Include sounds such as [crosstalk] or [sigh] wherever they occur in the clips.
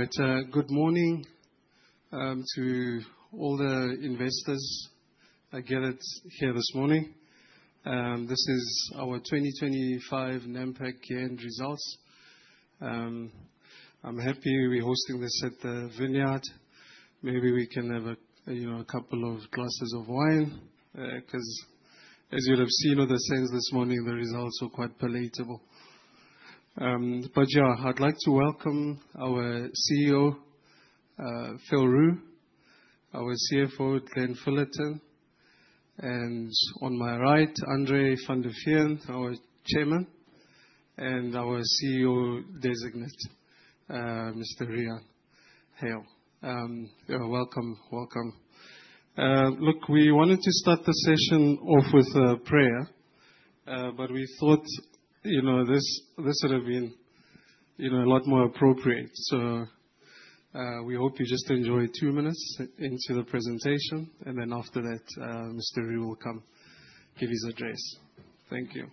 All right. Good morning to all the investors that gathered here this morning. This is our 2025 Nampak Year End Results. I'm happy we're hosting this at the vineyard. Maybe we can have a, you know, a couple of glasses of wine, 'cause as you would have seen on the screens this morning, the results are quite palatable. But yeah, I'd like to welcome our CEO, Phil Roux, our CFO, Glenn Fullerton, and on my right, Andre van der Veen, our Chairman, and our CEO Designate, Mr. Riaan Heyl. Yeah, welcome. Look, we wanted to start the session off with a prayer, but we thought, you know, this would have been, you know, a lot more appropriate. We hope you just enjoy two minutes into the presentation, and then after that, Mr. Riaan will come give his address. Thank you.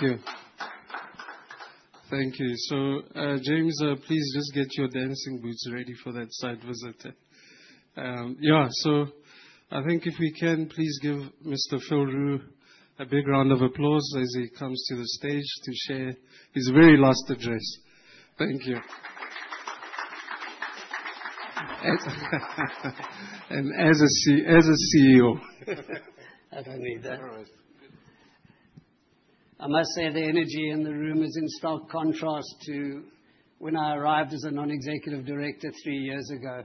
James, please just get your dancing boots ready for that site visit. I think if we can please give Mr. Phil Roux a big round of applause as he comes to the stage to share his very last address. Thank you. As a CEO. I don't need that. All right. I must say, the energy in the room is in stark contrast to when I arrived as a non-executive director three years ago.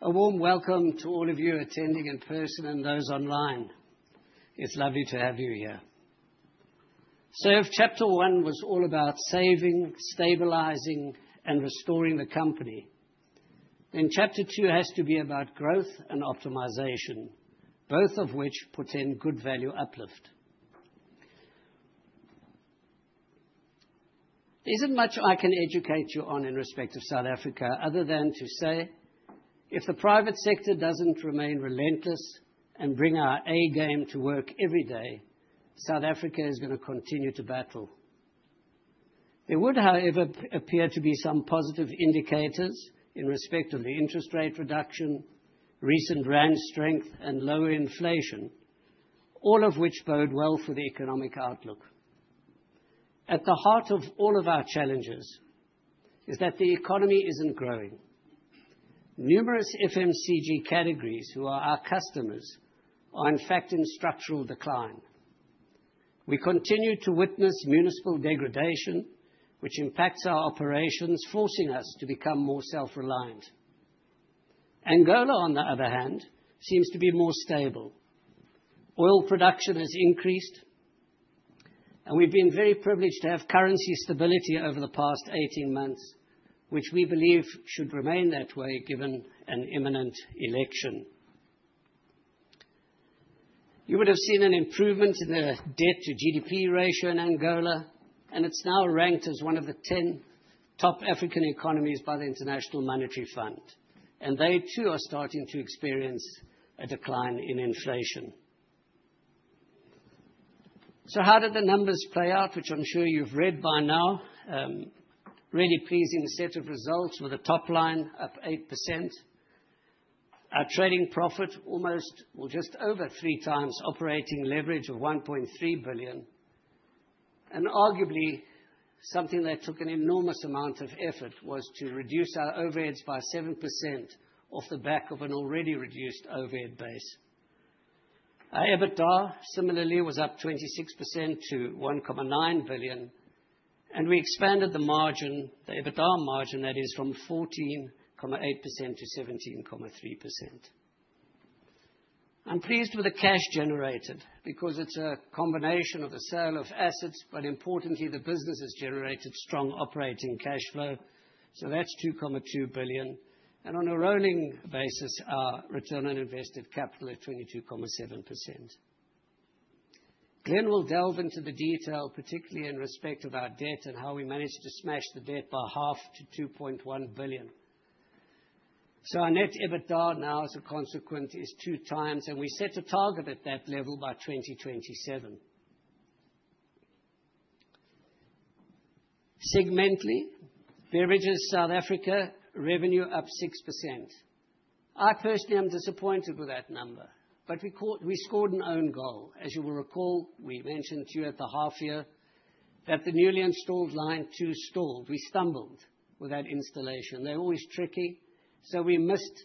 A warm welcome to all of you attending in person and those online. It's lovely to have you here. If chapter one was all about saving, stabilizing, and restoring the company, then chapter two has to be about growth and optimization, both of which portend good value uplift. There isn't much I can educate you on in respect of South Africa other than to say, if the private sector doesn't remain relentless and bring our A game to work every day, South Africa is gonna continue to battle. There would, however, appear to be some positive indicators in respect of the interest rate reduction, recent rand strength, and lower inflation, all of which bode well for the economic outlook. At the heart of all of our challenges is that the economy isn't growing. Numerous FMCG categories who are our customers are in fact in structural decline. We continue to witness municipal degradation, which impacts our operations, forcing us to become more self-reliant. Angola, on the other hand, seems to be more stable. Oil production has increased, and we've been very privileged to have currency stability over the past 18 months, which we believe should remain that way given an imminent election. You would have seen an improvement in the debt to GDP ratio in Angola, and it's now ranked as one of the 10 top African economies by the International Monetary Fund. They too are starting to experience a decline in inflation. How did the numbers play out, which I'm sure you've read by now. Really pleasing set of results with a top line up 8%. Our trading profit almost or just over 3x operating leverage of ZAR 1.3 billion. Arguably, something that took an enormous amount of effort was to reduce our overheads by 7% off the back of an already reduced overhead base. Our EBITDA similarly was up 26% to 1.9 billion, and we expanded the margin, the EBITDA margin that is, from 14.8% to 17.3%. I'm pleased with the cash generated because it's a combination of the sale of assets, but importantly, the business has generated strong operating cash flow, so that's 2.2 billion. On a rolling basis, our return on invested capital at 22.7%. Glenn will delve into the detail, particularly in respect of our debt and how we managed to smash the debt by half to 2.1 billion. Our net EBITDA now as a consequence, is 2x, and we set a target at that level by 2027. Segmentally, Beverage South Africa, revenue up 6%. I personally am disappointed with that number, but we scored an own goal. As you will recall, we mentioned to you at the half year that the newly installed Line 2 stalled. We stumbled with that installation. They're always tricky, so we missed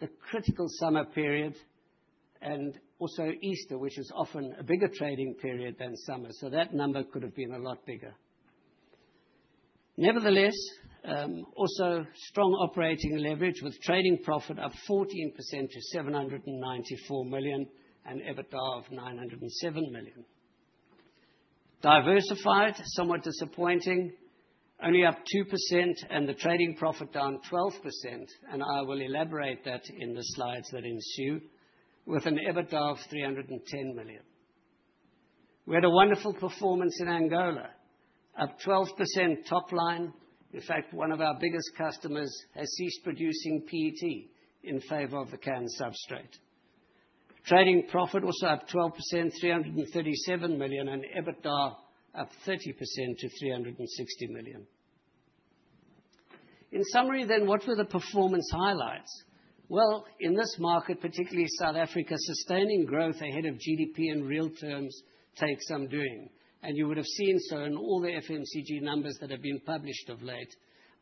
the critical summer period and also Easter, which is often a bigger trading period than summer, so that number could have been a lot bigger. Nevertheless, also strong operating leverage with trading profit up 14% to 794 million and EBITDA of 907 million. Diversified, somewhat disappointing, only up 2% and the trading profit down 12%, and I will elaborate that in the slides that ensue with an EBITDA of 310 million. We had a wonderful performance in Angola, up 12% top line. In fact, one of our biggest customers has ceased producing PET in favor of the can substrate. Trading profit also up 12%, 337 million, and EBITDA up 30% to 360 million. In summary then, what were the performance highlights? Well, in this market, particularly South Africa, sustaining growth ahead of GDP in real terms takes some doing. You would have seen so in all the FMCG numbers that have been published of late,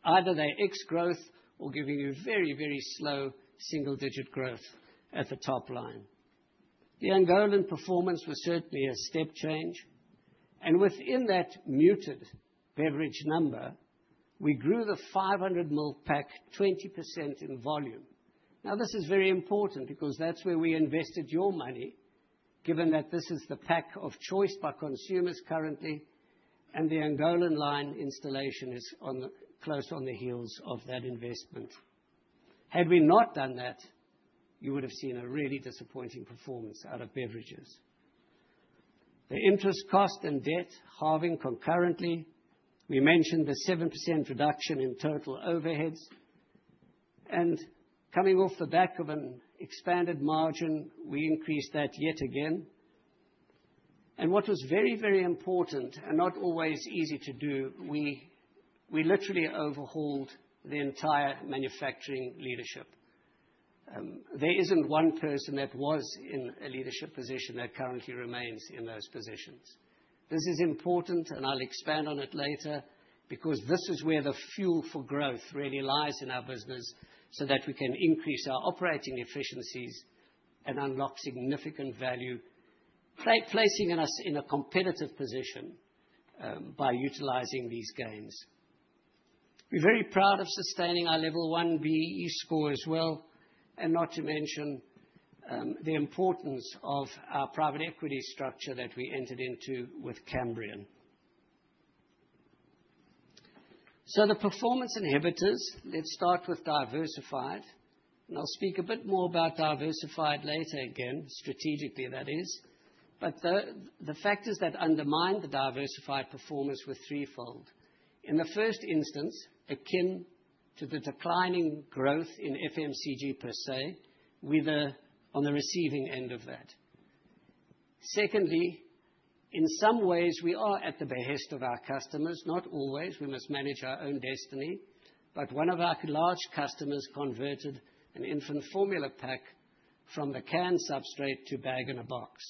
either they expect growth or giving you very, very slow single-digit growth at the top line. The Angolan performance was certainly a step change, and within that muted beverage number, we grew the 500 ml pack 20% in volume. Now, this is very important because that's where we invested your money, given that this is the pack of choice by consumers currently, and the Angolan line installation is close on the heels of that investment. Had we not done that, you would have seen a really disappointing performance out of beverages. The interest cost and debt halving concurrently. We mentioned the 7% reduction in total overheads. Coming off the back of an expanded margin, we increased that yet again. What was very important and not always easy to do, we literally overhauled the entire manufacturing leadership. There isn't one person that was in a leadership position that currently remains in those positions. This is important, and I'll expand on it later, because this is where the fuel for growth really lies in our business, so that we can increase our operating efficiencies and unlock significant value, placing us in a competitive position, by utilizing these gains. We're very proud of sustaining our level one BEE score as well. Not to mention, the importance of our private equity structure that we entered into with Cambrian. The performance inhibitors, let's start with Diversified, and I'll speak a bit more about Diversified later again, strategically that is. The factors that undermine the Diversified performance were threefold. In the first instance, akin to the declining growth in FMCG per se, we're on the receiving end of that. Secondly, in some ways we are at the behest of our customers. Not always, we must manage our own destiny. One of our large customers converted an infant formula pack from the can substrate to bag in a box.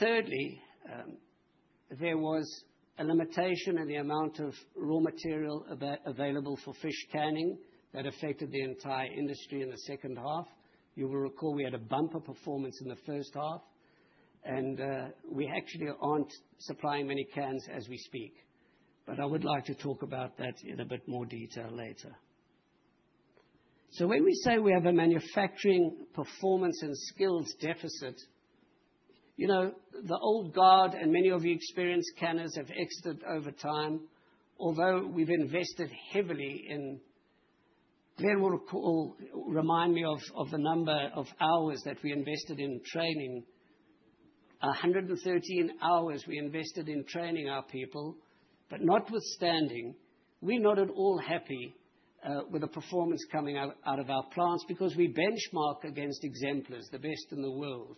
Thirdly, there was a limitation in the amount of raw material available for fish canning that affected the entire industry in the second half. You will recall we had a bumper performance in the first half, and we actually aren't supplying many cans as we speak, but I would like to talk about that in a bit more detail later. When we say we have a manufacturing performance and skills deficit, you know, the old guard and many of the experienced canners have exited over time. Although we've invested heavily in training. Glenn will recall, remind me of the number of hours that we invested in training. 113 hours we invested in training our people. But notwithstanding, we're not at all happy with the performance coming out of our plants because we benchmark against exemplars, the best in the world.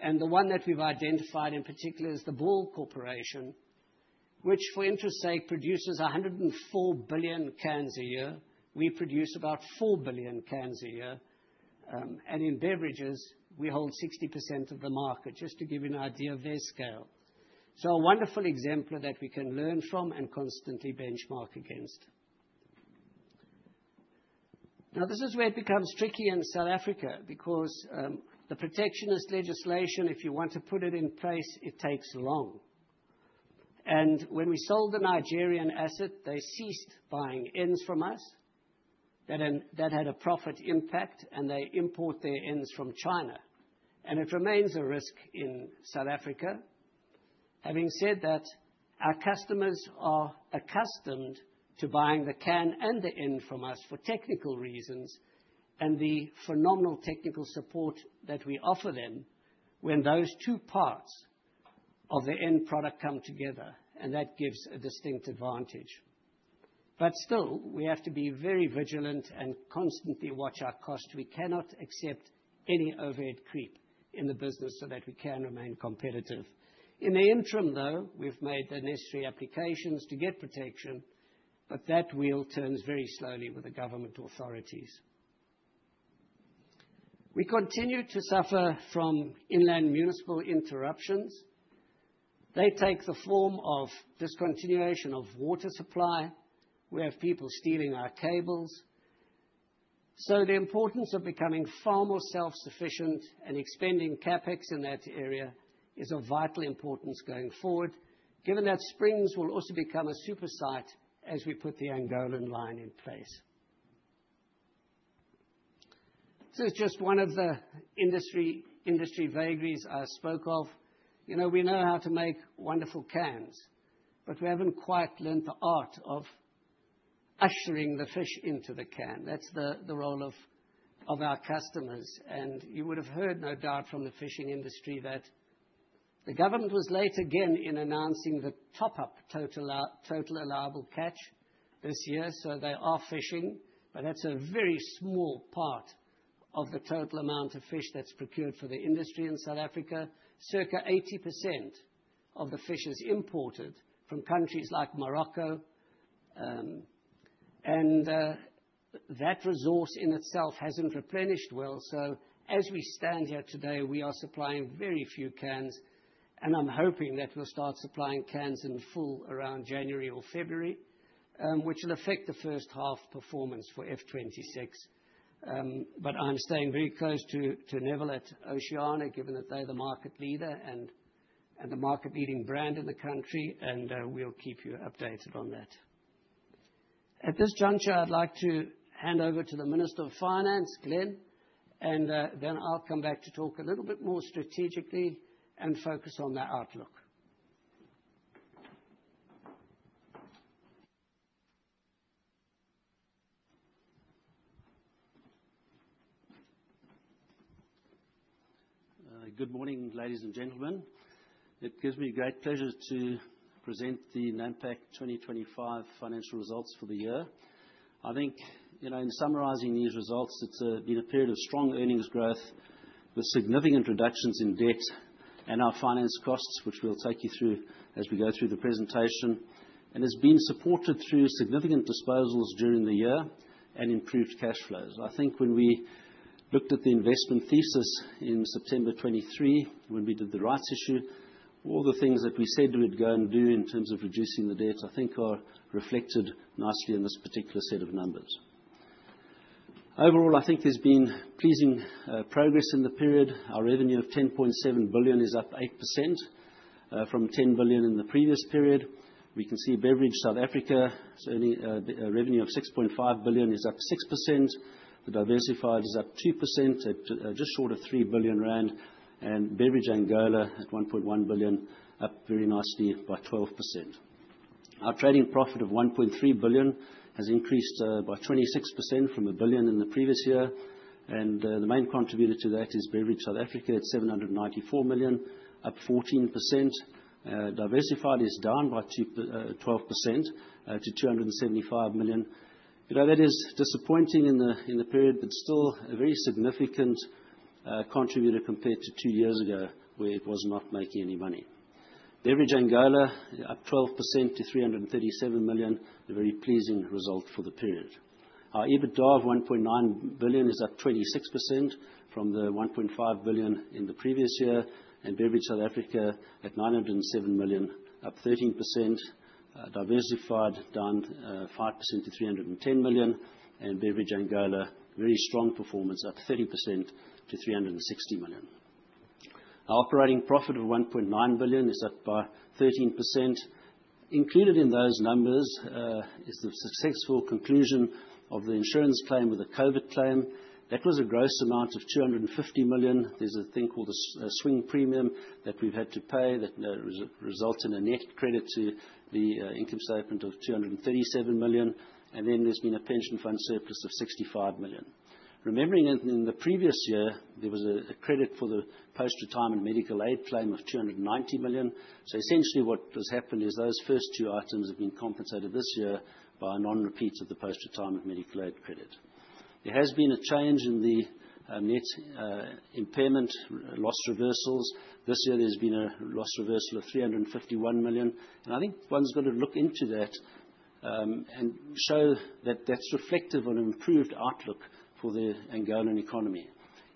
The one that we've identified in particular is the Ball Corporation, which for interest's sake, produces 104 billion cans a year. We produce about 4 billion cans a year. In beverages, we hold 60% of the market, just to give you an idea of their scale. A wonderful exemplar that we can learn from and constantly benchmark against. Now, this is where it becomes tricky in South Africa, because the protectionist legislation, if you want to put it in place, it takes long. When we sold the Nigerian asset, they ceased buying ends from us. That had a profit impact, and they import their ends from China. It remains a risk in South Africa. Having said that, our customers are accustomed to buying the can and the end from us for technical reasons, and the phenomenal technical support that we offer them when those two parts of the end product come together, and that gives a distinct advantage. Still, we have to be very vigilant and constantly watch our cost. We cannot accept any overhead creep in the business so that we can remain competitive. In the interim, though, we've made the necessary applications to get protection, but that wheel turns very slowly with the government authorities. We continue to suffer from inland municipal interruptions. They take the form of discontinuation of water supply. We have people stealing our cables. The importance of becoming far more self-sufficient and expanding CapEx in that area is of vital importance going forward, given that springs will also become a super site as we put the Angolan line in place. This is just one of the industry vagaries I spoke of. You know, we know how to make wonderful cans, but we haven't quite learned the art of ushering the fish into the can. That's the role of our customers. You would have heard, no doubt, from the fishing industry that the government was late again in announcing the top-up Total Allowable Catch this year, so they are fishing. That's a very small part of the total amount of fish that's procured for the industry in South Africa. Circa 80% of the fish is imported from countries like Morocco, and that resource in itself hasn't replenished well. As we stand here today, we are supplying very few cans, and I'm hoping that we'll start supplying cans in full around January or February, which will affect the first half performance for FY 2026. I'm staying very close to Neville at Oceana, given that they're the market leader and the market-leading brand in the country, and we'll keep you updated on that. At this juncture, I'd like to hand over to the Minister of Finance, Glenn, and then I'll come back to talk a little bit more strategically and focus on the outlook. Good morning, ladies and gentlemen. It gives me great pleasure to present the Nampak 2025 financial results for the year. I think, you know, in summarizing these results, it's been a period of strong earnings growth with significant reductions in debt and our finance costs, which we'll take you through as we go through the presentation. It's been supported through significant disposals during the year and improved cash flows. I think when we looked at the investment thesis in September 2023, when we did the rights issue, all the things that we said we'd go and do in terms of reducing the debt, I think are reflected nicely in this particular set of numbers. Overall, I think there's been pleasing progress in the period. Our revenue of 10.7 billion is up 8% from 10 billion in the previous period. We can see Beverage South Africa earning a revenue of 6.5 billion is up 6%. The Diversified is up 2% at just short of 3 billion rand. Beverage Angola at 1.1 billion, up very nicely by 12%. Our trading profit of 1.3 billion has increased by 26% from 1 billion in the previous year. The main contributor to that is Beverage South Africa at 794 million, up 14%. Diversified is down by 12% to 275 million. You know, that is disappointing in the period, but still a very significant contributor compared to two years ago, where it was not making any money. Beverage Angola up 12% to 337 million, a very pleasing result for the period. Our EBITDA of 1.9 billion is up 26% from the 1.5 billion in the previous year, and Beverage South Africa at 907 million, up 13%. Diversified, down 5% to 310 million. Beverage Angola, very strong performance, up 30% to 360 million. Our operating profit of 1.9 billion is up by 13%. Included in those numbers is the successful conclusion of the insurance claim with the COVID claim. That was a gross amount of 250 million. There's a thing called a swing premium that we've had to pay that results in a net credit to the income statement of 237 million, and then there's been a pension fund surplus of 65 million. Remembering in the previous year, there was a credit for the post-retirement medical aid claim of 290 million. Essentially what has happened is those first two items have been compensated this year by a non-repeat of the post-retirement medical aid credit. There has been a change in the net impairment loss reversals. This year there's been a loss reversal of 351 million. I think one's gotta look into that, and show that that's reflective of an improved outlook for the Angolan economy.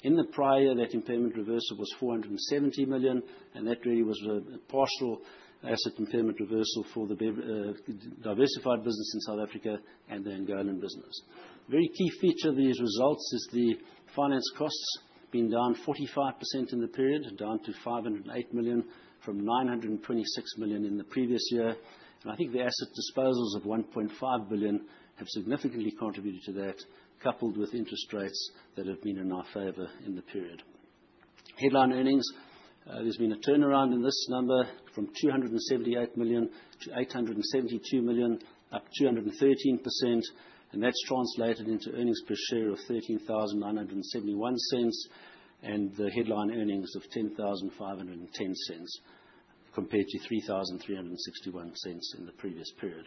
In the prior, that impairment reversal was 470 million, and that really was a partial asset impairment reversal for the diversified business in South Africa and the Angolan business. Very key feature of these results is the finance costs being down 45% in the period, down to 508 million from 926 million in the previous year. I think the asset disposals of 1.5 billion have significantly contributed to that, coupled with interest rates that have been in our favor in the period. Headline earnings, there's been a turnaround in this number from 278 million to 872 million, up 213%, and that's translated into earnings per share of 13,900.71, and the headline earnings per share of 10,500.10, compared to 33.61 in the previous period.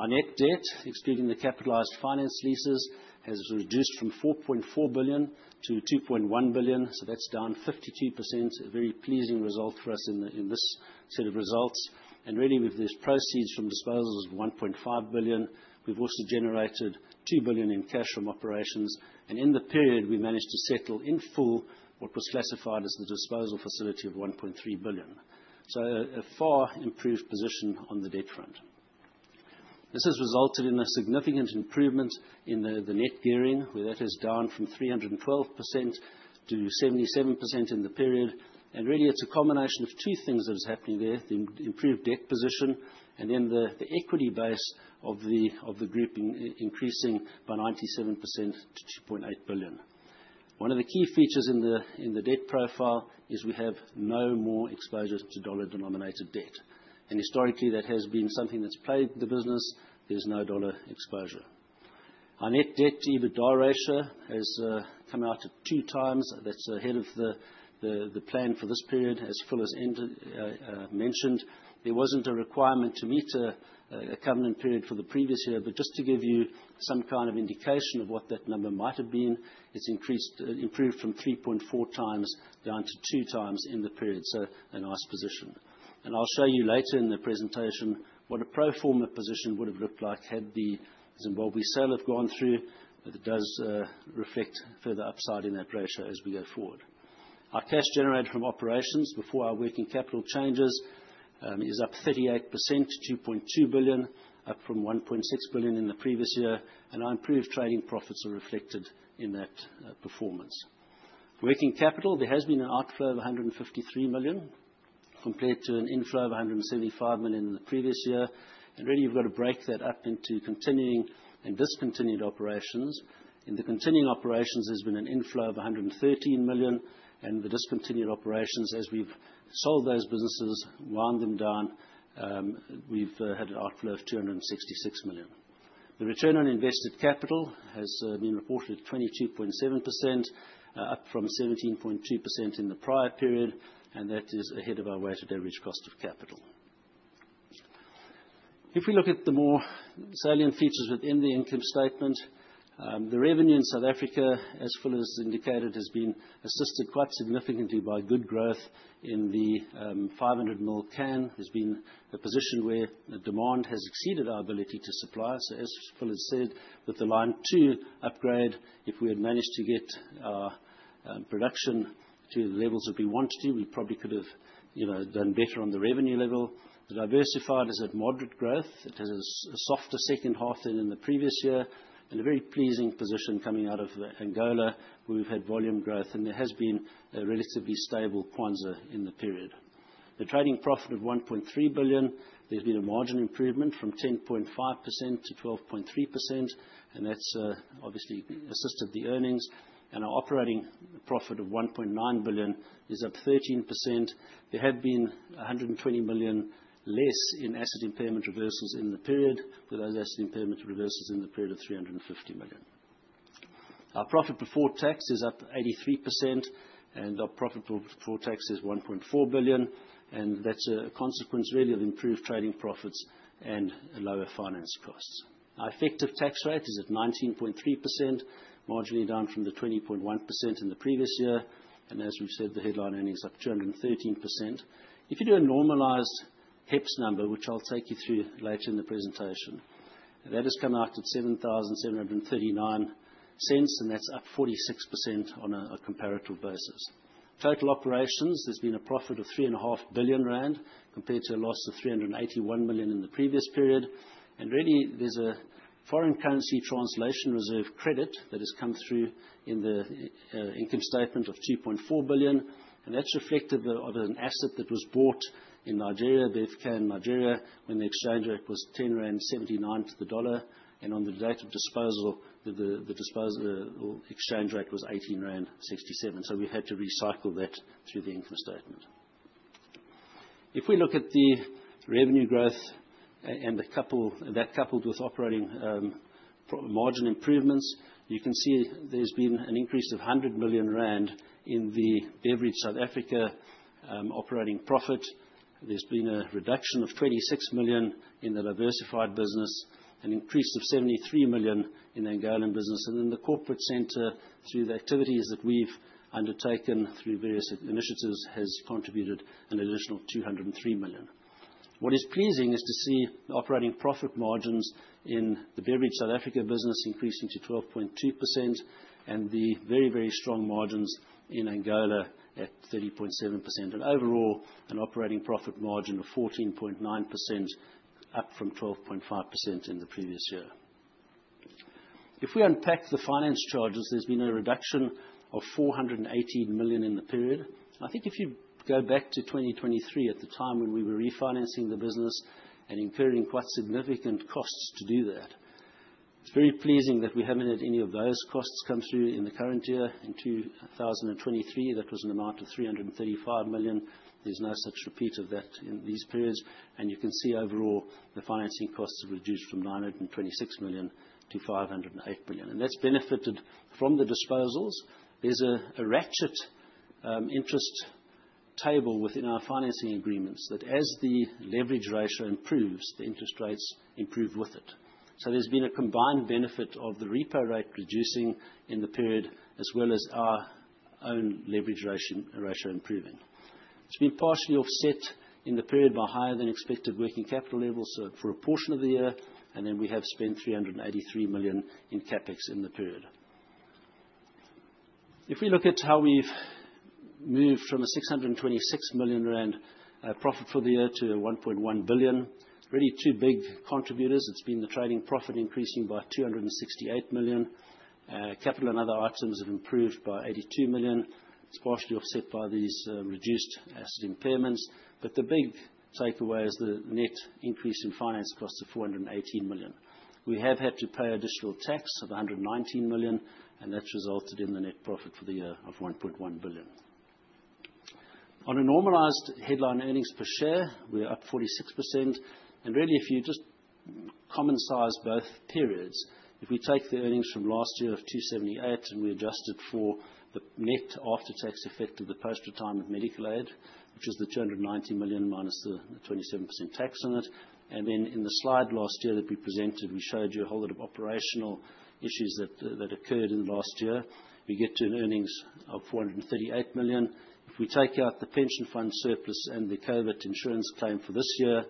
Our net debt, excluding the capitalized finance leases, has reduced from 4.4 billion to 2.1 billion, so that's down 52%. A very pleasing result for us in this set of results. Really with these proceeds from disposals of 1.5 billion, we've also generated 2 billion in cash from operations. In the period, we managed to settle in full what was classified as the disposal facility of 1.3 billion. A far improved position on the debt front. This has resulted in a significant improvement in the net gearing, where that is down from 312% to 77% in the period. Really, it's a combination of two things that is happening there, the improved debt position, and then the equity base of the group increasing by 97% to 2.8 billion. One of the key features in the debt profile is we have no more exposure to dollar-denominated debt. Historically, that has been something that's plagued the business. There's no dollar exposure. Our net debt-to-EBITDA ratio has come out at 2x. That's ahead of the plan for this period, as Phil has mentioned. There wasn't a requirement to meet a covenant period for the previous year. Just to give you some kind of indication of what that number might have been, it's improved from 3.4x down to 2x in the period, so a nice position. I'll show you later in the presentation what a pro forma position would have looked like had the Zimbabwe sale have gone through, but it does reflect further upside in that ratio as we go forward. Our cash generated from operations before our working capital changes is up 38%, 2.2 billion, up from 1.6 billion in the previous year, and our improved trading profits are reflected in that performance. Working capital, there has been an outflow of 153 million compared to an inflow of 175 million in the previous year. Really you've got to break that up into continuing and discontinued operations. In the continuing operations, there's been an inflow of 113 million. In the discontinued operations, as we've sold those businesses, wound them down, we've had an outflow of 266 million. The Return on Invested Capital has been reported at 22.7%, up from 17.2% in the prior period, and that is ahead of our weighted average cost of capital. If we look at the more salient features within the income statement, the revenue in South Africa, as Phil has indicated, has been assisted quite significantly by good growth in the 500 ml can. There's been a position where the demand has exceeded our ability to supply. As Phil has said, with the Line 2 upgrade, if we had managed to get our production to the levels that we want to, we probably could have, you know, done better on the revenue level. The Diversified is at moderate growth. It has a softer second half than in the previous year. A very pleasing position coming out of Angola, where we've had volume growth, and there has been a relatively stable Kwanza in the period. The trading profit of 1.3 billion, there's been a margin improvement from 10.5% to 12.3%, and that's obviously assisted the earnings. Our operating profit of 1.9 billion is up 13%. There had been 120 million less in asset impairment reversals in the period, with those asset impairment reversals in the period of 350 million. Our profit before tax is up 83%, and our profit before tax is 1.4 billion, and that's a consequence really of improved trading profits and lower finance costs. Our effective tax rate is at 19.3%, marginally down from the 20.1% in the previous year. As we've said, the headline earnings up 213%. If you do a normalized HEPS number, which I'll take you through later in the presentation, that has come out at 7,700.39, and that's up 46% on a comparative basis. Total operations. There's been a profit of 3.5 billion rand compared to a loss of 381 million in the previous period. Really, there's a foreign currency translation reserve credit that has come through in the income statement of 2.4 billion, and that's reflective of an asset that was bought in Nigeria, Bevcan Nigeria, when the exchange rate was 10.79 rand to the dollar. On the date of disposal, the disposal exchange rate was 18.67 rand. We had to recycle that through the income statement. If we look at the revenue growth and that coupled with operating profit margin improvements, you can see there's been an increase of 100 million rand in the Beverage South Africa operating profit. There's been a reduction of 26 million in the Diversified business, an increase of 73 million in the Angolan business, and in the corporate center, through the activities that we've undertaken through various initiatives, has contributed an additional 203 million. What is pleasing is to see the operating profit margins in the Beverage South Africa business increasing to 12.2% and the very strong margins in Angola at 30.7%. Overall, an operating profit margin of 14.9% up from 12.5% in the previous year. If we unpack the finance charges, there's been a reduction of 480 million in the period. I think if you go back to 2023, at the time when we were refinancing the business and incurring quite significant costs to do that, it's very pleasing that we haven't had any of those costs come through in the current year. In 2023, that was an amount of 335 million. There's no such repeat of that in these periods. You can see overall the financing costs have reduced from 926 million to 508 million. That's benefited from the disposals. There's a ratchet interest table within our financing agreements that as the leverage ratio improves, the interest rates improve with it. There's been a combined benefit of the repo rate reducing in the period as well as our own leverage ratio improving. It's been partially offset in the period by higher than expected working capital levels for a portion of the year, and then we have spent 383 million in CapEx in the period. If we look at how we've moved from a 626 million rand profit for the year to 1.1 billion, really two big contributors. It's been the trading profit increasing by 268 million. Capital and other items have improved by 82 million. It's partially offset by these reduced asset impairments. The big takeaway is the net increase in finance costs of 418 million. We have had to pay additional tax of 119 million, and that's resulted in the net profit for the year of 1.1 billion. On a normalized headline earnings per share, we're up 46%. Really, if you just common size both periods, if we take the earnings from last year of 278, and we adjust it for the net after-tax effect of the post-retirement medical aid, which is the 290 million minus the 27% tax on it. Then in the slide last year that we presented, we showed you a whole lot of operational issues that occurred in last year. We get to earnings of 438 million. If we take out the pension fund surplus and the COVID insurance claim for this year,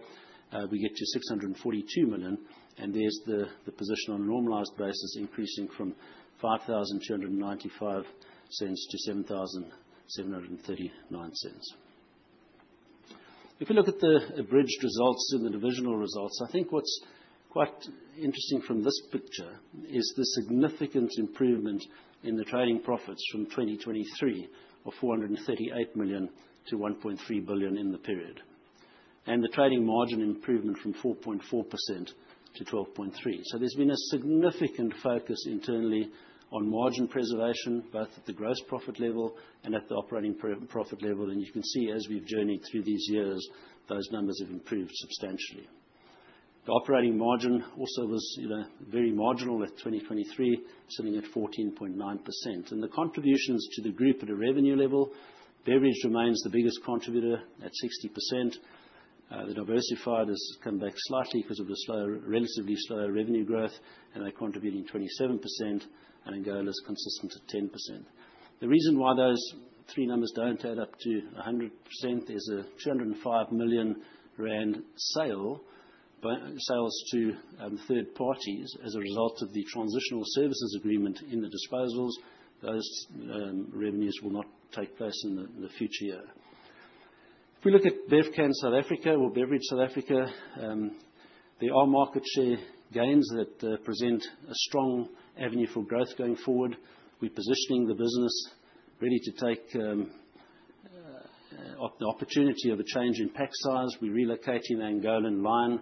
we get to 642 million, and there's the position on a normalized basis increasing from 5,295 cents to 7,739 cents. If you look at the abridged results and the divisional results, I think what's quite interesting from this picture is the significant improvement in the trading profits from 2023 of 438 million to 1.3 billion in the period. The trading margin improvement from 4.4% to 12.3%. There's been a significant focus internally on margin preservation, both at the gross profit level and at the operating profit level. You can see as we've journeyed through these years, those numbers have improved substantially. The operating margin also was, you know, very marginal at 2023, sitting at 14.9%. The contributions to the group at a revenue level, Beverage remains the biggest contributor at 60%. The Diversified has come back slightly 'cause of the slower, relatively slower revenue growth, and they're contributing 27%, and Angola is consistent at 10%. The reason why those three numbers don't add up to 100%, there's a 205 million rand sales to third parties as a result of the transitional services agreement in the disposals. Those revenues will not take place in the future year. If we look at Bevcan South Africa or Beverage South Africa, there are market share gains that present a strong avenue for growth going forward. We're positioning the business really to take the opportunity of a change in pack size. We're relocating the Angolan line,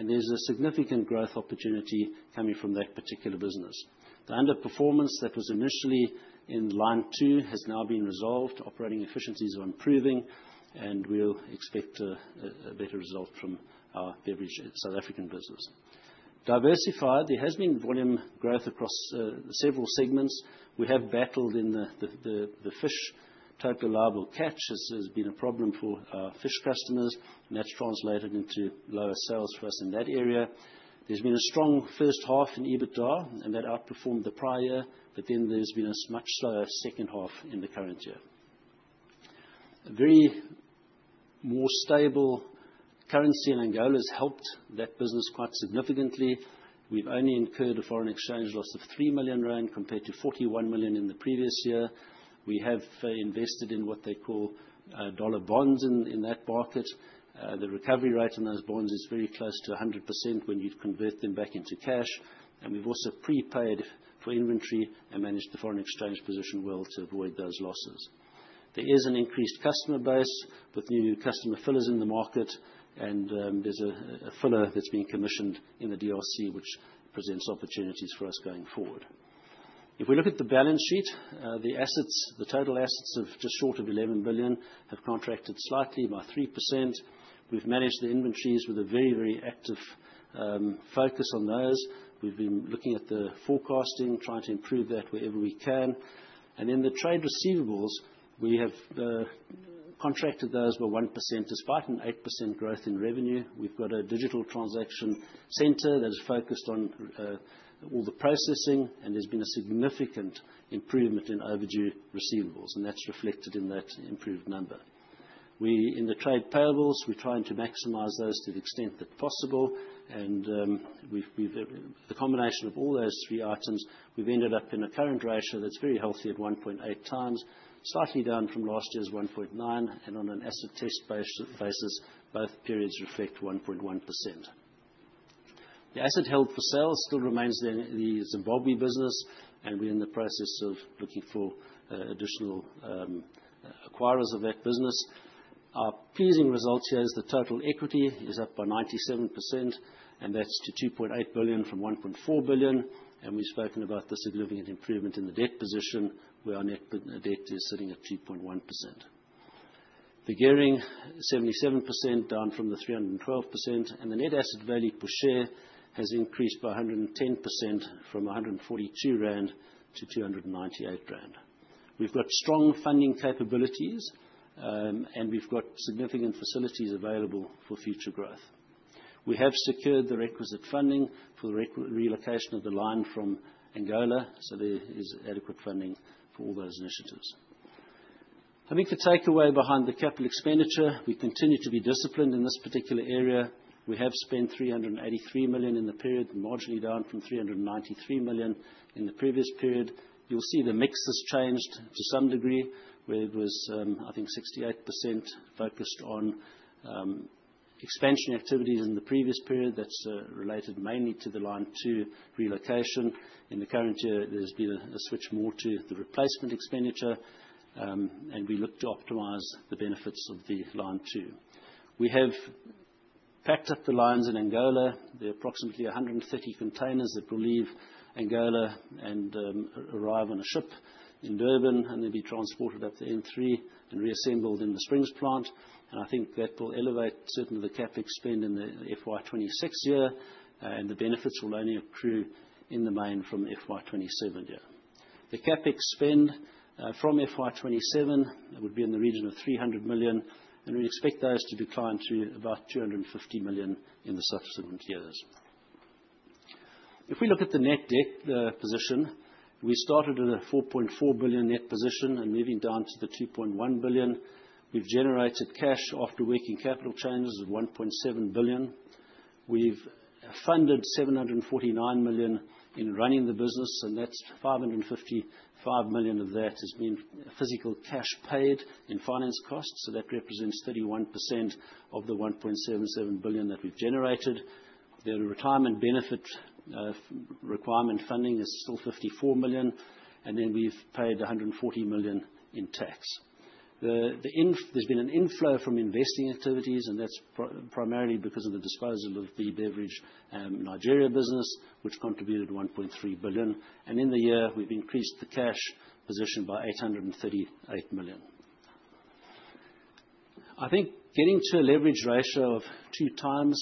and there's a significant growth opportunity coming from that particular business. The underperformance that was initially in Line 2 has now been resolved. Operating efficiencies are improving, and we'll expect a better result from our Beverage South Africa business. Diversified, there has been volume growth across several segments. We have battled in the fish. The Total Allowable Catch has been a problem for our fish customers, and that's translated into lower sales for us in that area. There's been a strong first half in EBITDA, and that outperformed the prior, but then there's been a much slower second half in the current year. A much more stable currency in Angola has helped that business quite significantly. We've only incurred a foreign exchange loss of 3 million rand compared to 41 million in the previous year. We have invested in what they call dollar bonds in that market. The recovery rate on those bonds is very close to 100% when you'd convert them back into cash. We've also prepaid for inventory and managed the foreign exchange position well to avoid those losses. There is an increased customer base with new customer fillers in the market, and there's a filler that's been commissioned in the DRC, which presents opportunities for us going forward. If we look at the balance sheet, the assets, the total assets of just short of 11 billion have contracted slightly by 3%. We've managed the inventories with a very, very active focus on those. We've been looking at the forecasting, trying to improve that wherever we can. In the trade receivables, we have contracted those by 1%, despite an 8% growth in revenue. We've got a digital transaction center that is focused on all the processing, and there's been a significant improvement in overdue receivables, and that's reflected in that improved number. In the trade payables, we're trying to maximize those to the extent that possible. The combination of all those three items, we've ended up in a current ratio that's very healthy at 1.8x, slightly down from last year's 1.9x. On an asset test basis, both periods reflect 1.1%. The asset held for sale still remains in the Zimbabwe business, and we're in the process of looking for additional acquirers of that business. Our pleasing result here is the total equity is up by 97%, and that's to 2.8 billion from 1.4 billion, and we've spoken about the significant improvement in the debt position, where our net debt is sitting at 2.1%. The gearing, 77% down from the 312%, and the net asset value per share has increased by 110% from 142 rand to 298 rand. We've got strong funding capabilities, and we've got significant facilities available for future growth. We have secured the requisite funding for the relocation of the Line 2 from Angola, so there is adequate funding for all those initiatives. I think the takeaway behind the capital expenditure, we continue to be disciplined in this particular area. We have spent 383 million in the period, marginally down from 393 million in the previous period. You'll see the mix has changed to some degree, where it was, I think 68% focused on expansion activities in the previous period that's related mainly to the Line 2 relocation. In the current year, there's been a switch more to the replacement expenditure, and we look to optimize the benefits of the Line 2. We have packed up the lines in Angola. There are approximately 130 containers that will leave Angola and arrive on a ship in Durban and then be transported up to N3 and reassembled in the Springs plant. I think that will elevate certainly the CapEx spend in the FY 2026 year, and the benefits will only accrue in the main from FY 2027 year. The CapEx spend from FY 2027 would be in the region of 300 million, and we expect those to decline to about 250 million in the subsequent years. If we look at the net debt position, we started with a 4.4 billion net position, moving down to the 2.1 billion. We've generated cash after working capital changes of 1.7 billion. We've funded 749 million in running the business, and that's 555 million of that has been physical cash paid in finance costs, so that represents 31% of the 1.77 billion that we've generated. The retirement benefit requirement funding is still 54 million, and then we've paid 140 million in tax. There's been an inflow from investing activities, and that's primarily because of the disposal of the Beverage Nigeria business, which contributed 1.3 billion. In the year, we've increased the cash position by 838 million. I think getting to a leverage ratio of 2x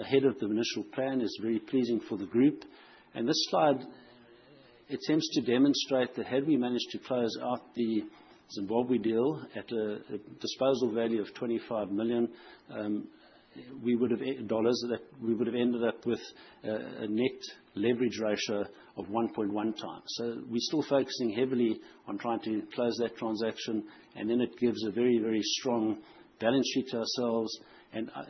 ahead of the initial plan is very pleasing for the group. This slide, it seems to demonstrate that had we managed to close out the Zimbabwe deal at a disposal value of $25 million, we would've dollars, that we would have ended up with a net leverage ratio of 1.1x. We're still focusing heavily on trying to close that transaction, and then it gives a very, very strong balance sheet to ourselves.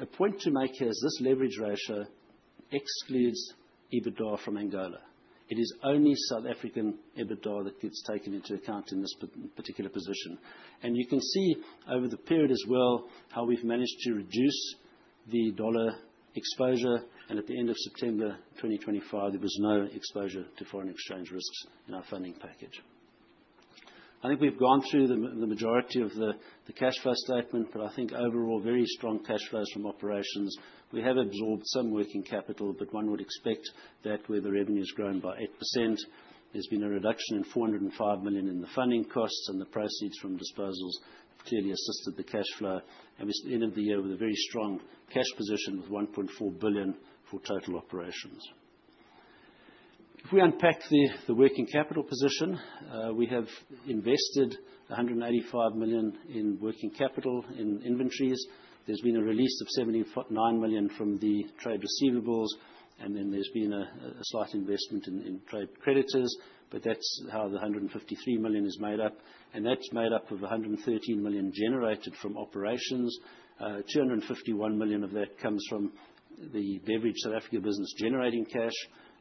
A point to make here is this leverage ratio excludes EBITDA from Angola. It is only South African EBITDA that gets taken into account in this particular position. You can see over the period as well, how we've managed to reduce the dollar exposure, and at the end of September 2025, there was no exposure to foreign exchange risks in our funding package. I think we've gone through the majority of the cash flow statement, but I think overall, very strong cash flows from operations. We have absorbed some working capital, but one would expect that where the revenue's grown by 8%, there's been a reduction in 405 million in the funding costs, and the proceeds from disposals have clearly assisted the cash flow. We ended the year with a very strong cash position with 1.4 billion for total operations. If we unpack the working capital position, we have invested 185 million in working capital in inventories. There's been a release of 9 million from the trade receivables, and then there's been a slight investment in trade creditors, but that's how the 153 million is made up. That's made up of 113 million generated from operations. 251 million of that comes from the Beverage South Africa business generating cash.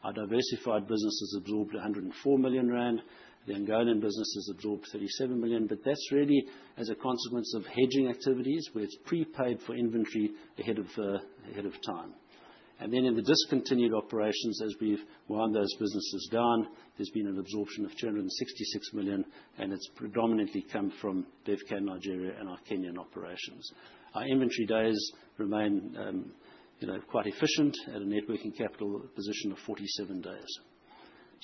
Our Diversified business has absorbed 104 million rand. The Angolan business has absorbed 37 million, but that's really as a consequence of hedging activities, where it's prepaid for inventory ahead of, ahead of time. In the discontinued operations, as we've wound those businesses down, there's been an absorption of 266 million, and it's predominantly come from Bevcan Nigeria and our Kenyan operations. Our inventory days remain, you know, quite efficient at a net working capital position of 47 days.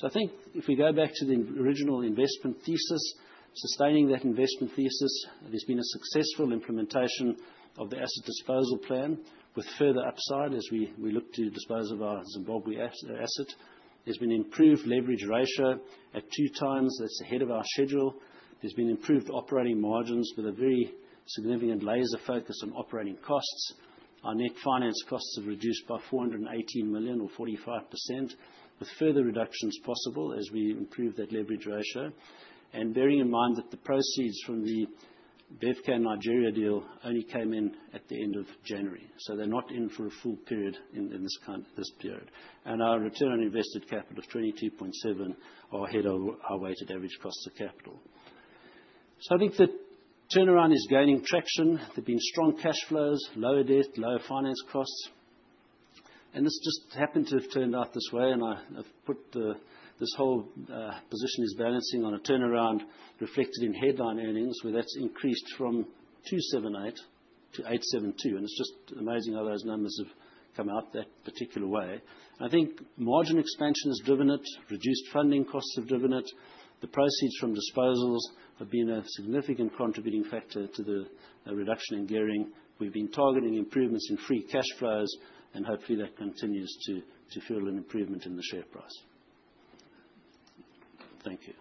I think if we go back to the original investment thesis, sustaining that investment thesis, there's been a successful implementation of the asset disposal plan with further upside as we look to dispose of our Zimbabwe asset. There's been improved leverage ratio at 2x. That's ahead of our schedule. There's been improved operating margins with a very significant laser focus on operating costs. Our net finance costs have reduced by 480 million or 45%, with further reductions possible as we improve that leverage ratio. Bearing in mind that the proceeds from the Bevcan Nigeria deal only came in at the end of January, so they're not in for a full period in this period. Our Return on Invested Capital of 22.7% is ahead of our Weighted Average Cost of Capital. I think the turnaround is gaining traction. There has been strong cash flows, lower debt, lower finance costs. This just happened to have turned out this way, this whole position is balancing on a turnaround reflected in headline earnings, where that has increased from 278 to 872, and it is just amazing how those numbers have come out that particular way. I think margin expansion has driven it, reduced funding costs have driven it. The proceeds from disposals have been a significant contributing factor to the reduction in gearing. We have been targeting improvements in free cash flows, and hopefully that continues to fuel an improvement in the share price. Thank you.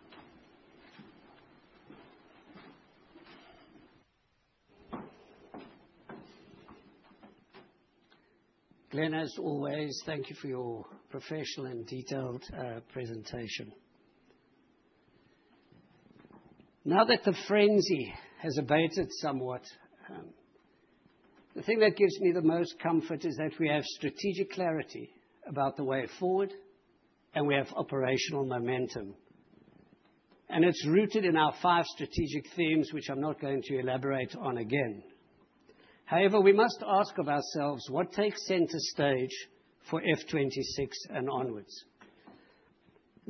Glenn, as always, thank you for your professional and detailed presentation. Now that the frenzy has abated somewhat, the thing that gives me the most comfort is that we have strategic clarity about the way forward, and we have operational momentum. It's rooted in our five strategic themes, which I'm not going to elaborate on again. However, we must ask of ourselves what takes center stage for FY 2026 and onwards.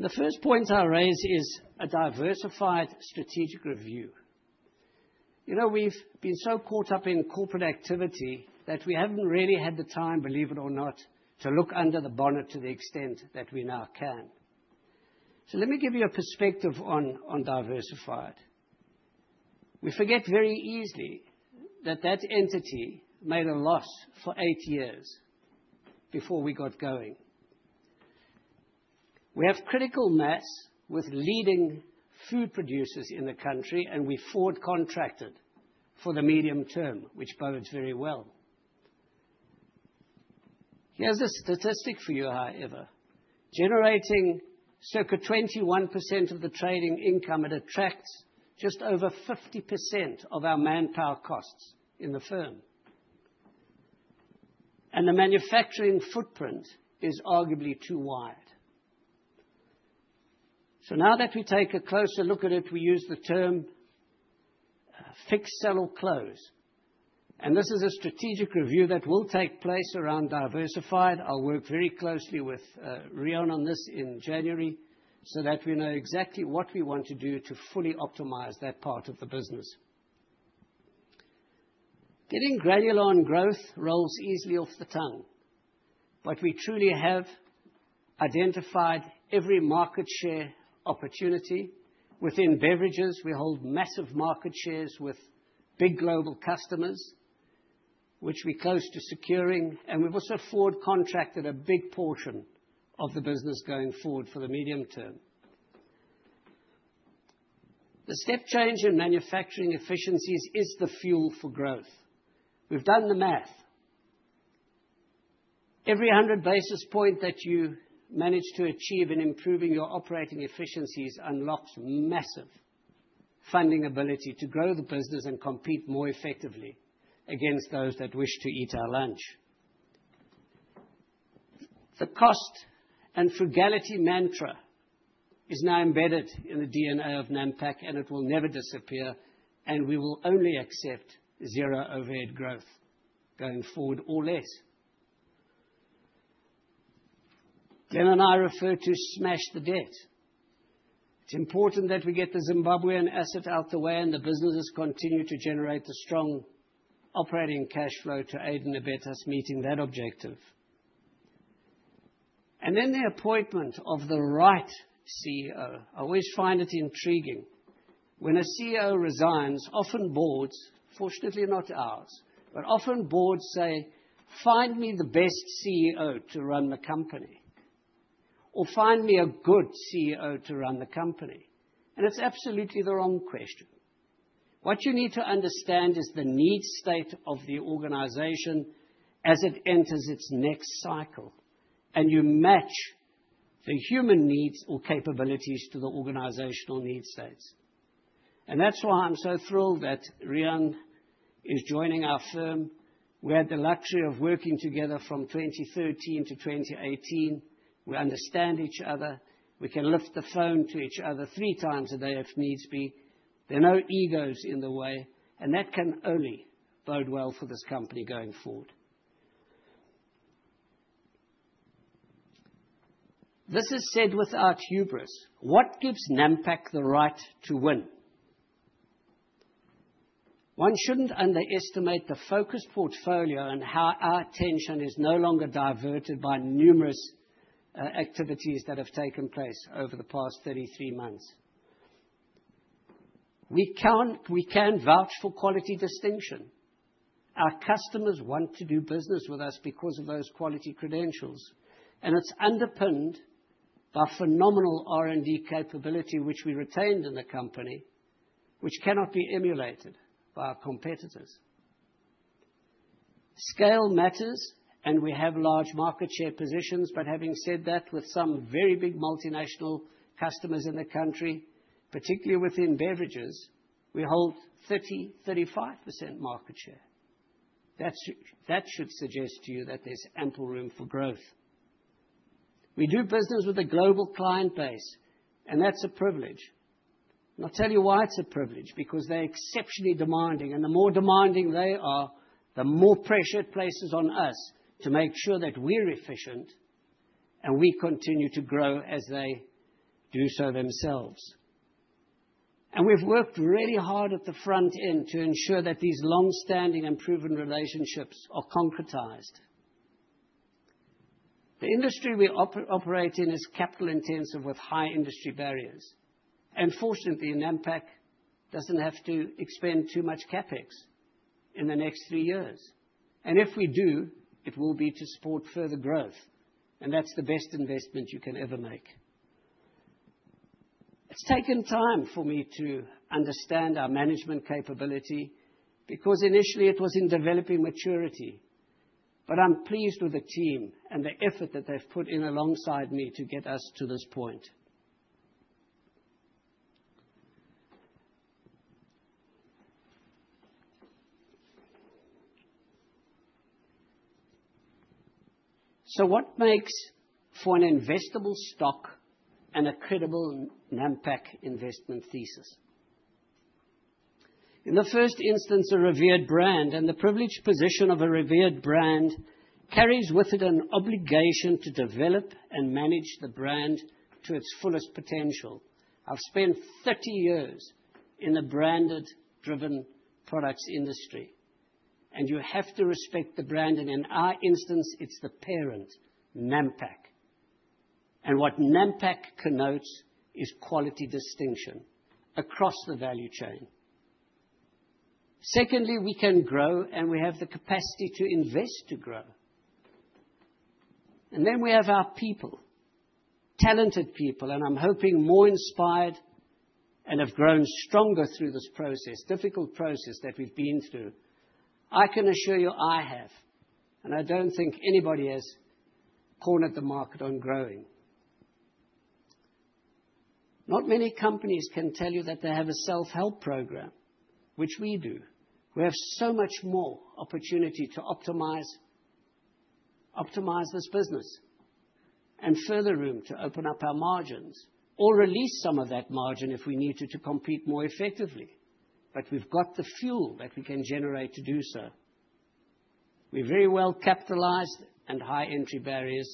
The first point I raise is a Diversified strategic review. You know, we've been so caught up in corporate activity that we haven't really had the time, believe it or not, to look under the bonnet to the extent that we now can. So let me give you a perspective on Diversified. We forget very easily that entity made a loss for eight years before we got going. We have critical mass with leading food producers in the country, and we forward contracted for the medium term, which bodes very well. Here's a statistic for you, however. Generating circa 21% of the trading income, it attracts just over 50% of our manpower costs in the firm. The manufacturing footprint is arguably too wide. Now that we take a closer look at it, we use the term, fix, sell or close. This is a strategic review that will take place around Diversified. I'll work very closely with Riaan on this in January, so that we know exactly what we want to do to fully optimize that part of the business. Getting granular on growth rolls easily off the tongue, but we truly have identified every market share opportunity. Within beverages, we hold massive market shares with big global customers, which we're close to securing, and we've also forward contracted a big portion of the business going forward for the medium term. The step change in manufacturing efficiencies is the fuel for growth. We've done the math. Every 100 basis points that you manage to achieve in improving your operating efficiencies unlocks massive funding ability to grow the business and compete more effectively against those that wish to eat our lunch. The cost and frugality mantra is now embedded in the DNA of Nampak and it will never disappear, and we will only accept zero overhead growth going forward or less. Glenn and I aim to smash the debt. It's important that we get the Zimbabwean asset out of the way and the businesses continue to generate a strong operating cash flow to aid and abet us meeting that objective. The appointment of the right CEO. I always find it intriguing when a CEO resigns, often boards, fortunately not ours, but often boards say, "Find me the best CEO to run the company," or, "Find me a good CEO to run the company." It's absolutely the wrong question. What you need to understand is the need state of the organization as it enters its next cycle, and you match the human needs or capabilities to the organizational need states. That's why I'm so thrilled that Riaan is joining our firm. We had the luxury of working together from 2013-2018. We understand each other. We can lift the phone to each other three times a day if needs be. There are no egos in the way, and that can only bode well for this company going forward. This is said without hubris. What gives Nampak the right to win? One shouldn't underestimate the focused portfolio and how our attention is no longer diverted by numerous activities that have taken place over the past 33 months. We can vouch for quality distinction. Our customers want to do business with us because of those quality credentials, and it's underpinned by phenomenal R&D capability which we retained in the company, which cannot be emulated by our competitors. Scale matters, and we have large market share positions. But having said that, with some very big multinational customers in the country, particularly within beverages, we hold 30%, 35% market share. That should suggest to you that there's ample room for growth. We do business with a global client base, and that's a privilege. I'll tell you why it's a privilege, because they're exceptionally demanding. The more demanding they are, the more pressure it places on us to make sure that we're efficient and we continue to grow as they do so themselves. We've worked really hard at the front end to ensure that these long-standing and proven relationships are concretized. The industry we operate in is capital-intensive with high industry barriers. Fortunately, Nampak doesn't have to expend too much CapEx in the next three years. If we do, it will be to support further growth, and that's the best investment you can ever make. It's taken time for me to understand our management capability because initially it was in developing maturity. I'm pleased with the team and the effort that they've put in alongside me to get us to this point. What makes for an investable stock and a credible Nampak investment thesis? In the first instance, a revered brand. The privileged position of a revered brand carries with it an obligation to develop and manage the brand to its fullest potential. I've spent 30 years in the branded driven products industry, and you have to respect the brand. In our instance, it's the parent, Nampak. What Nampak connotes is quality distinction across the value chain. Secondly, we can grow, and we have the capacity to invest to grow. Then we have our people, talented people, and I'm hoping more inspired and have grown stronger through this process, difficult process that we've been through. I can assure you I have, and I don't think anybody has cornered the market on growing. Not many companies can tell you that they have a self-help program, which we do. We have so much more opportunity to optimize this business and further room to open up our margins or release some of that margin if we needed to compete more effectively. We've got the fuel that we can generate to do so. We're very well capitalized and high entry barriers,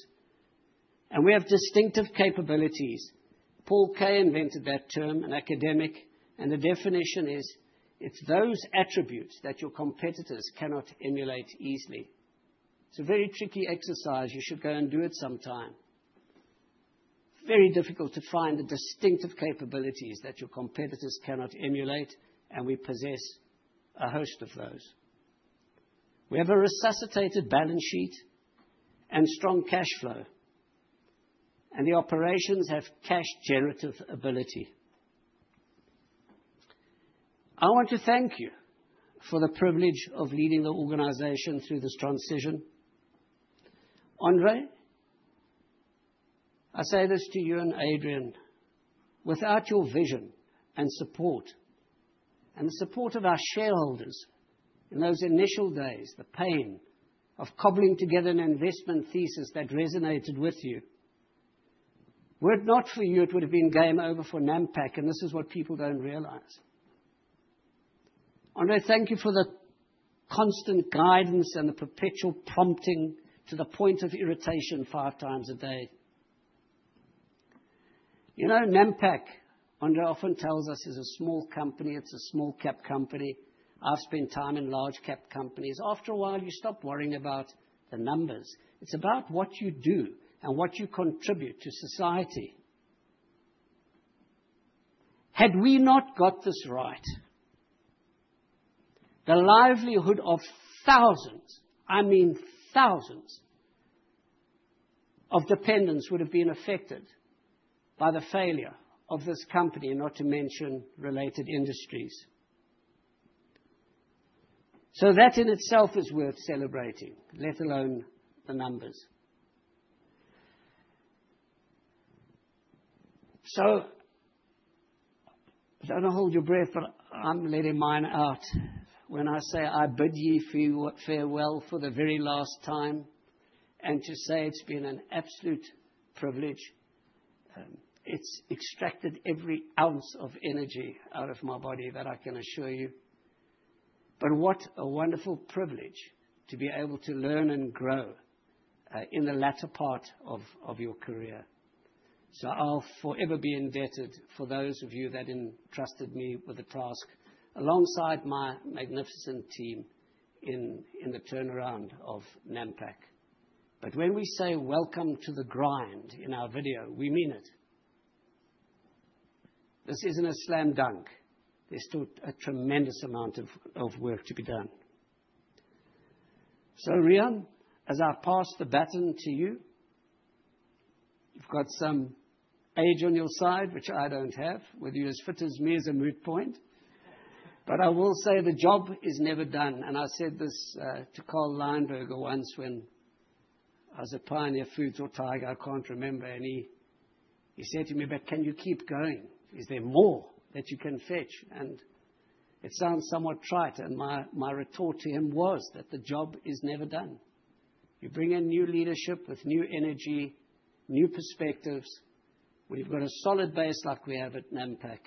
and we have distinctive capabilities. Paul Kay invented that term, an academic, and the definition is, it's those attributes that your competitors cannot emulate easily. It's a very tricky exercise. You should go and do it sometime. Very difficult to find the distinctive capabilities that your competitors cannot emulate, and we possess a host of those. We have a resuscitated balance sheet and strong cash flow, and the operations have cash generative ability. I want to thank you for the privilege of leading the organization through this transition. Andre, I say this to you and Adrian, without your vision and support, and the support of our shareholders in those initial days, the pain of cobbling together an investment thesis that resonated with you. Were it not for you, it would have been game over for Nampak, and this is what people don't realize. Andre, thank you for the constant guidance and the perpetual prompting to the point of irritation five times a day. You know, Nampak, Andre often tells us, is a small company. It's a small cap company. I've spent time in large cap companies. After a while, you stop worrying about the numbers. It's about what you do and what you contribute to society. Had we not got this right, the livelihood of thousands, I mean thousands of dependents would have been affected by the failure of this company, and not to mention related industries. That in itself is worth celebrating, let alone the numbers. Don't hold your breath, but I'm letting mine out when I say I bid ye farewell for the very last time, and to say it's been an absolute privilege. It's extracted every ounce of energy out of my body, that I can assure you. What a wonderful privilege to be able to learn and grow in the latter part of your career. I'll forever be indebted for those of you that entrusted me with the task alongside my magnificent team in the turnaround of Nampak. When we say welcome to the grind in our video, we mean it. This isn't a slam dunk. There's still a tremendous amount of work to be done. Riaan, as I pass the baton to you've got some age on your side, which I don't have. Whether you're as fit as me is a moot point. I will say the job is never done. I said this to Karl Leinberger once when I was at Pioneer Foods or Tiger, I can't remember, and he said to me, "But can you keep going? Is there more that you can fetch?" It sounds somewhat trite, and my retort to him was that the job is never done. You bring in new leadership with new energy, new perspectives. When you've got a solid base like we have at Nampak,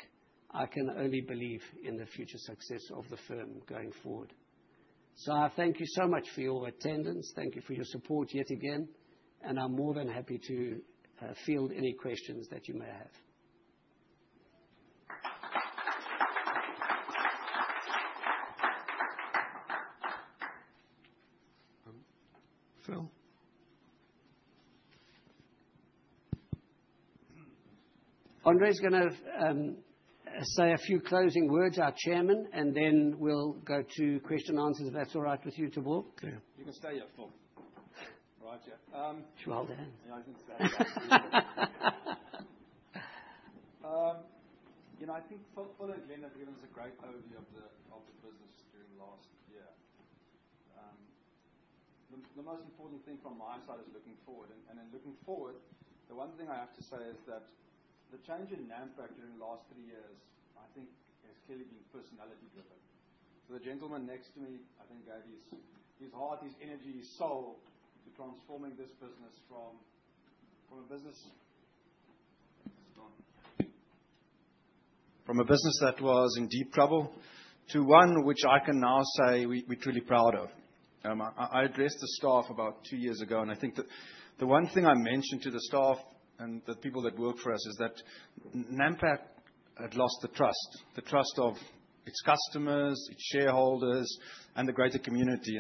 I can only believe in the future success of the firm going forward. I thank you so much for your attendance. Thank you for your support yet again, and I'm more than happy to field any questions that you may have. Phil. Andre's gonna say a few closing words, our Chairman, and then we'll go to questions and answers, if that's all right with you two, Phil. Yeah. You can stay here, Phil. Roger. Well done. I think that. You know, I think Phil and Glenn have given us a great overview of the business during the last year. The most important thing from my side is looking forward. In looking forward, the one thing I have to say is that the change in Nampak during the last three years, I think has clearly been personality driven. The gentleman next to me, I think, gave his heart, his energy, his soul to transforming this business from a business that was in deep trouble to one which I can now say we're truly proud of. I addressed the staff about two years ago, and I think the one thing I mentioned to the staff and the people that work for us is that Nampak had lost the trust. The trust of its customers, its shareholders, and the greater community.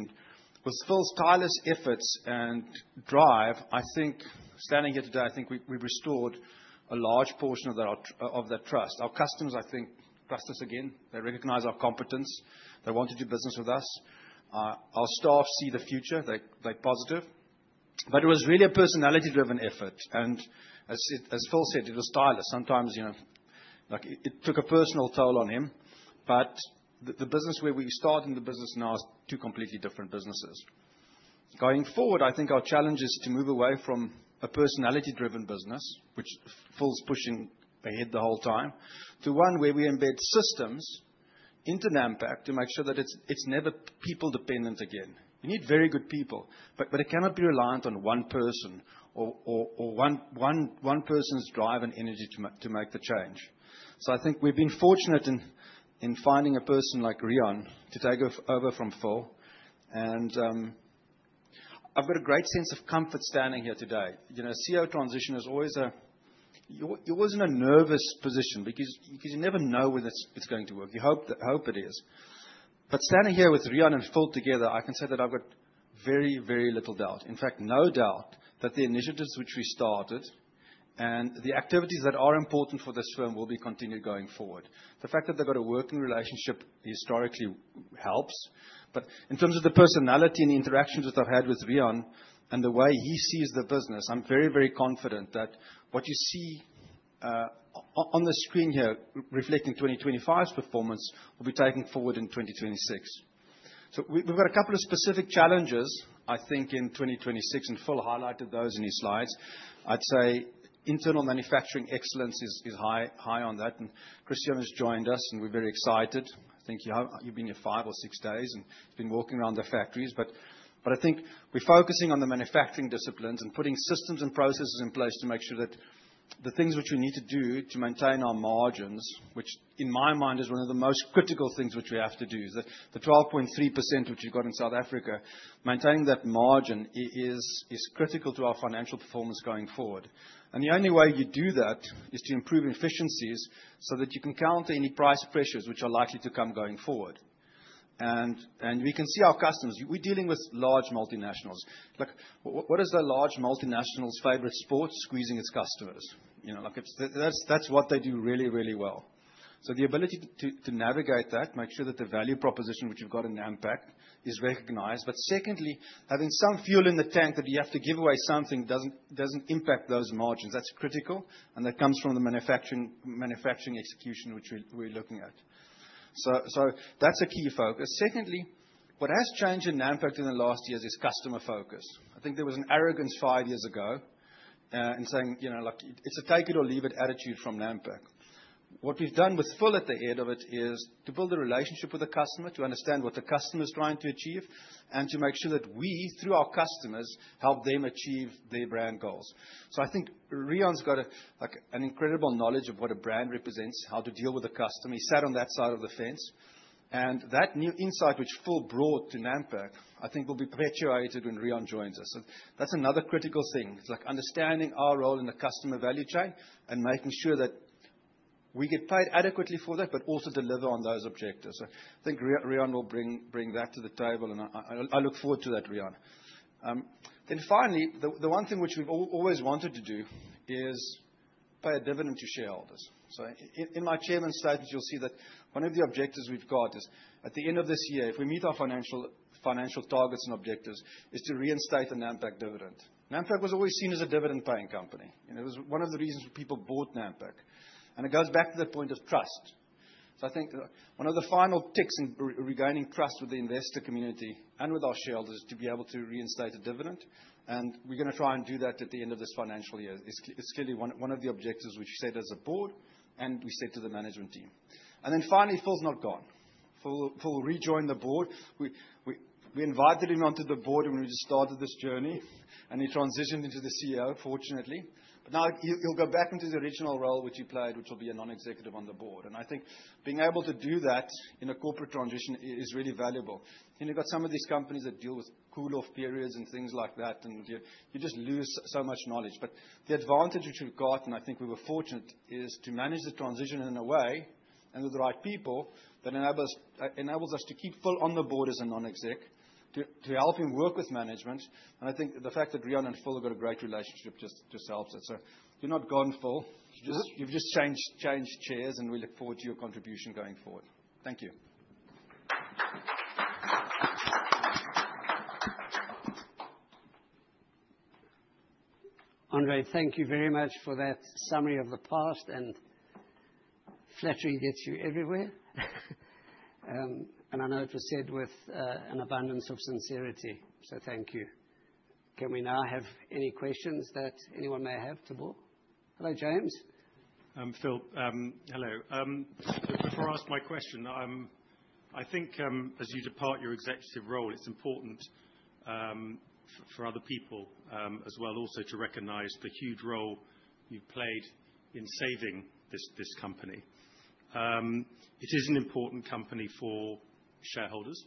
With Phil's tireless efforts and drive, I think, standing here today, I think we've restored a large portion of that trust. Our customers, I think, trust us again. They recognize our competence. They want to do business with us. Our staff see the future. They're positive. It was really a personality driven effort. As Phil said, it was tireless. Sometimes, you know, like it took a personal toll on him. The business where we started and the business now is two completely different businesses. Going forward, I think our challenge is to move away from a personality driven business, which Phil's pushing ahead the whole time, to one where we embed systems into Nampak to make sure that it's never people dependent again. You need very good people, but it cannot be reliant on one person or one person's drive and energy to make the change. I think we've been fortunate in finding a person like Riaan to take over from Phil. I've got a great sense of comfort standing here today. You know, CEO transition is always a nervous position because you never know whether it's going to work. You hope it is. Standing here with Riaan and Phil together, I can say that I've got very little doubt. In fact, no doubt that the initiatives which we started and the activities that are important for this firm will be continued going forward. The fact that they've got a working relationship historically helps. In terms of the personality and the interactions that I've had with Riaan and the way he sees the business, I'm very, very confident that what you see on the screen here reflecting 2025's performance will be taken forward in 2026. We've got a couple of specific challenges, I think, in 2026, and Phil highlighted those in his slides. I'd say internal manufacturing excellence is high on that. Christian has joined us, and we're very excited. I think you've been here five or six days and been walking around the factories. I think we're focusing on the manufacturing disciplines and putting systems and processes in place to make sure that the things which we need to do to maintain our margins, which in my mind is one of the most critical things which we have to do, is the 12.3% which we've got in South Africa, maintaining that margin is critical to our financial performance going forward. The only way you do that is to improve efficiencies so that you can counter any price pressures which are likely to come going forward. We can see our customers. We're dealing with large multinationals. Like, what is a large multinational's favorite sport? Squeezing its customers. You know, like it's. That's what they do really well. The ability to navigate that, make sure that the value proposition which we've got in Nampak is recognized. Secondly, having some fuel in the tank that you have to give away something doesn't impact those margins. That's critical, and that comes from the manufacturing execution which we're looking at. That's a key focus. Secondly, what has changed in Nampak in the last years is customer focus. I think there was an arrogance five years ago in saying, you know, like it's a take it or leave it attitude from Nampak. What we've done with Phil at the head of it is to build a relationship with the customer, to understand what the customer is trying to achieve, and to make sure that we, through our customers, help them achieve their brand goals. I think Riaan's got a like an incredible knowledge of what a brand represents, how to deal with a customer. He sat on that side of the fence. That new insight which Phil brought to Nampak, I think will be perpetuated when Riaan joins us. That's another critical thing. It's like understanding our role in the customer value chain and making sure that we get paid adequately for that, but also deliver on those objectives. I think Riaan will bring that to the table, and I look forward to that, Riaan. Then finally, the one thing which we've always wanted to do is pay a dividend to shareholders. In my chairman's statement, you'll see that one of the objectives we've got is, at the end of this year, if we meet our financial targets and objectives, is to reinstate the Nampak dividend. Nampak was always seen as a dividend-paying company, and it was one of the reasons people bought Nampak. It goes back to the point of trust. I think one of the final ticks in re-regaining trust with the investor community and with our shareholders is to be able to reinstate a dividend, and we're gonna try and do that at the end of this financial year. It's clearly one of the objectives we set as a board and we set to the management team. Finally, Phil's not gone. Phil rejoined the board. We invited him onto the board when we started this journey, and he transitioned into the CEO, fortunately. Now he'll go back into the original role which he played, which will be a non-executive on the board. I think being able to do that in a corporate transition is really valuable. You've got some of these companies that deal with cool-off periods and things like that, and you just lose so much knowledge. The advantage which we've got, and I think we were fortunate, is to manage the transition in a way and with the right people that enables us to keep Phil on the board as a non-exec to help him work with management. I think the fact that Riaan and Phil have got a great relationship just helps it. You're not gone, Phil. Yes. You've just changed chairs, and we look forward to your contribution going forward. Thank you. Andre, thank you very much for that summary of the past, and flattery gets you everywhere. I know it was said with an abundance of sincerity, so thank you. Can we now have any questions that anyone may have? Thabo? Hello, James. Phil, hello. Before I ask my question, I think, as you depart your executive role, it's important for other people, as well also to recognize the huge role you played in saving this company. It is an important company for shareholders,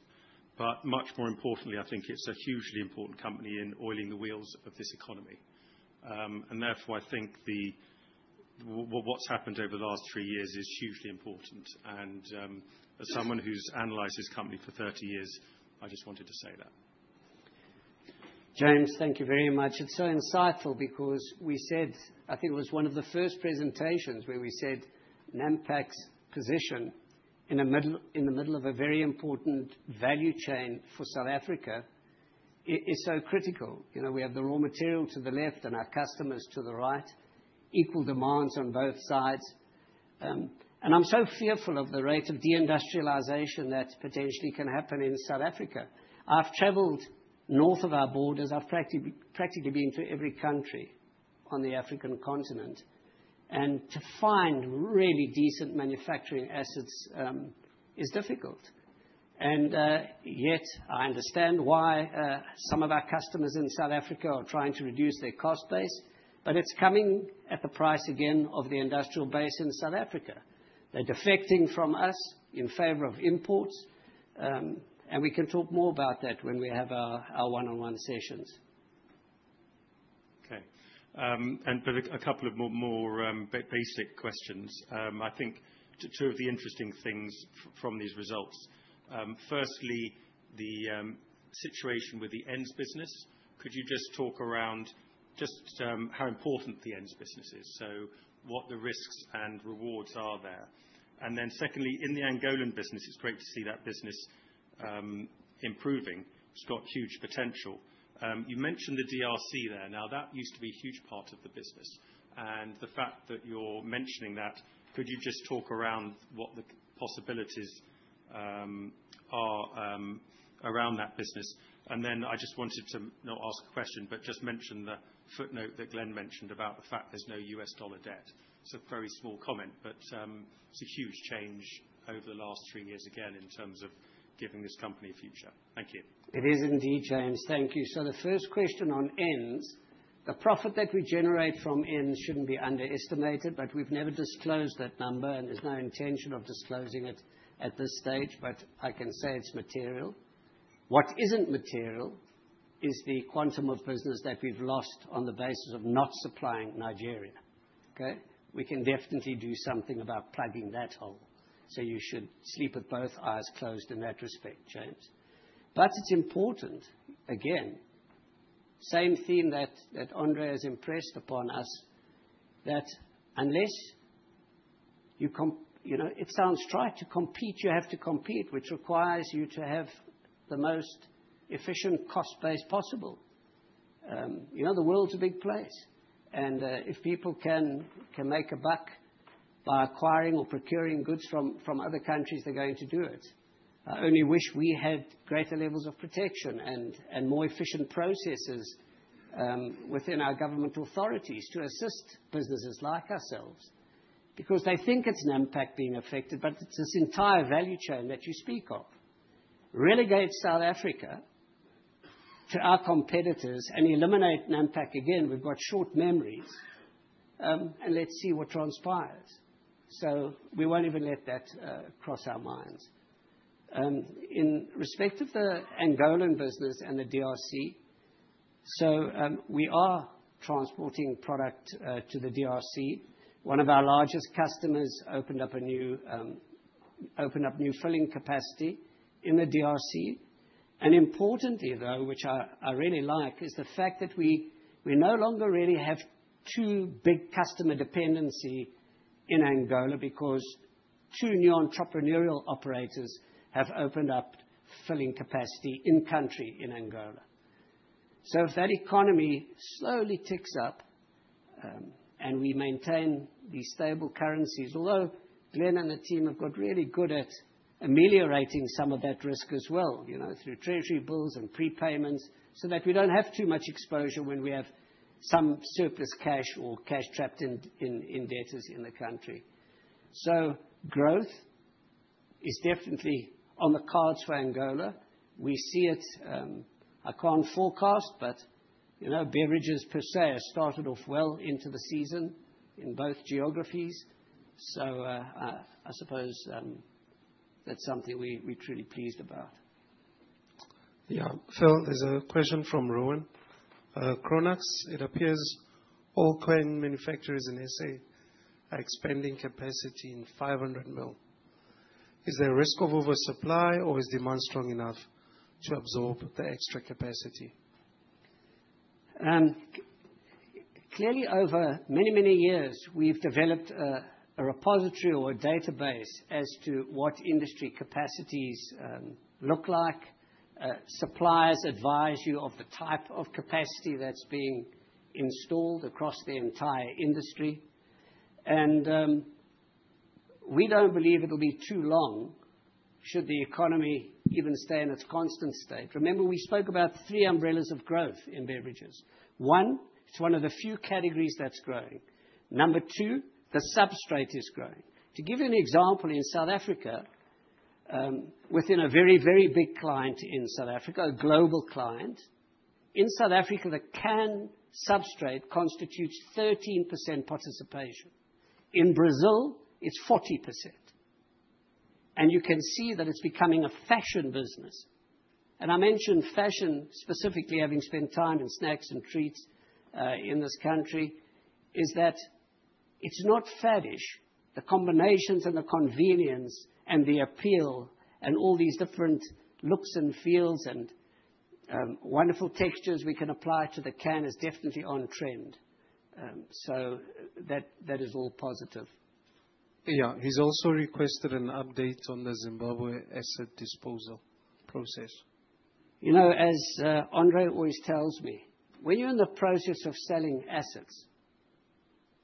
but much more importantly, I think it's a hugely important company in oiling the wheels of this economy. Therefore, I think what's happened over the last three years is hugely important. As someone who's analyzed this company for 30 years, I just wanted to say that. James, thank you very much. It's so insightful because we said I think it was one of the first presentations where we said Nampak's position in the middle of a very important value chain for South Africa is so critical. You know, we have the raw material to the left and our customers to the right, equal demands on both sides. I'm so fearful of the rate of deindustrialization that potentially can happen in South Africa. I've traveled north of our borders. I've practically been to every country on the African continent. To find really decent manufacturing assets is difficult. Yet I understand why some of our customers in South Africa are trying to reduce their cost base, but it's coming at the price again of the industrial base in South Africa. They're defecting from us in favor of imports, and we can talk more about that when we have our one-on-one sessions. Okay. A couple more basic questions. I think two of the interesting things from these results. Firstly, the situation with the Ends business. Could you just talk around just how important the Ends business is. What the risks and rewards are there. Secondly, in the Angolan business, it's great to see that business improving. It's got huge potential. You mentioned the DRC there. Now, that used to be a huge part of the business. The fact that you're mentioning that, could you just talk around what the possibilities are around that business. I just wanted to not ask a question, but just mention the footnote that Glenn mentioned about the fact there's no U.S. dollar debt. It's a very small comment, but it's a huge change over the last three years, again, in terms of giving this company a future. Thank you. It is indeed, James. Thank you. The first question on Ends, the profit that we generate from Ends shouldn't be underestimated, but we've never disclosed that number, and there's no intention of disclosing it at this stage. I can say it's material. What isn't material is the quantum of business that we've lost on the basis of not supplying Nigeria. Okay? We can definitely do something about plugging that hole. You should sleep with both eyes closed in that respect, James. It's important, again, same theme that Andre has impressed upon us. You know, it sounds trite. To compete, you have to compete, which requires you to have the most efficient cost base possible. You know, the world's a big place, and if people can make a buck by acquiring or procuring goods from other countries, they're going to do it. I only wish we had greater levels of protection and more efficient processes within our government authorities to assist businesses like ourselves, because they think it's Nampak being affected, but it's this entire value chain that you speak of. Relegate South Africa to our competitors and eliminate Nampak again, we've got short memories, and let's see what transpires. We won't even let that cross our minds. In respect of the Angolan business and the DRC, we are transporting product to the DRC. One of our largest customers opened up new filling capacity in the DRC. Importantly, though, which I really like, is the fact that we no longer really have two big customer dependency in Angola because two new entrepreneurial operators have opened up filling capacity in country in Angola. So if that economy slowly ticks up, and we maintain the stable currencies, although Glenn and the team have got really good at ameliorating some of that risk as well, you know, through treasury bills and prepayments, so that we don't have too much exposure when we have some surplus cash or cash trapped in debtors in the country. So growth is definitely on the cards for Angola. We see it, I can't forecast, but you know, beverages per se have started off well into the season in both geographies. So, I suppose, that's something we're truly pleased about. Yeah. Phil, there's a question from Rowan. [audio distortion] it appears all can manufacturers in SA are expanding capacity in 500 ml. Is there a risk of oversupply or is demand strong enough to absorb the extra capacity? Clearly over many years, we've developed a repository or a database as to what industry capacities look like. Suppliers advise you of the type of capacity that's being installed across the entire industry. We don't believe it'll be too long should the economy even stay in its constant state. Remember we spoke about three umbrellas of growth in beverages. One, it's one of the few categories that's growing. Number two, the substrate is growing. To give you an example, in South Africa, within a very big client in South Africa, a global client. In South Africa, the can substrate constitutes 13% participation. In Brazil, it's 40%. You can see that it's becoming a fashion business. I mention fashion specifically having spent time in snacks and treats in this country, is that it's not faddish. The combinations and the convenience and the appeal and all these different looks and feels and wonderful textures we can apply to the can is definitely on trend. That is all positive. Yeah. He's also requested an update on the Zimbabwe asset disposal process. You know, as Andre always tells me, when you're in the process of selling assets,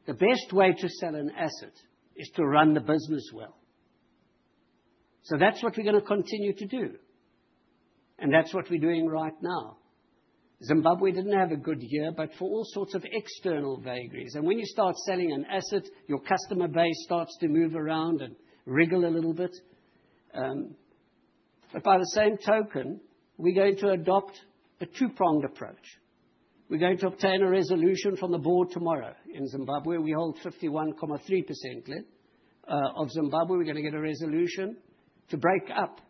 the best way to sell an asset is to run the business well. That's what we're gonna continue to do, and that's what we're doing right now. Zimbabwe didn't have a good year, but for all sorts of external vagaries. When you start selling an asset, your customer base starts to move around and wriggle a little bit. By the same token, we're going to adopt a two-pronged approach. We're going to obtain a resolution from the board tomorrow in Zimbabwe. We hold 51.3%, Glenn, of Zimbabwe. We're gonna get a resolution to break up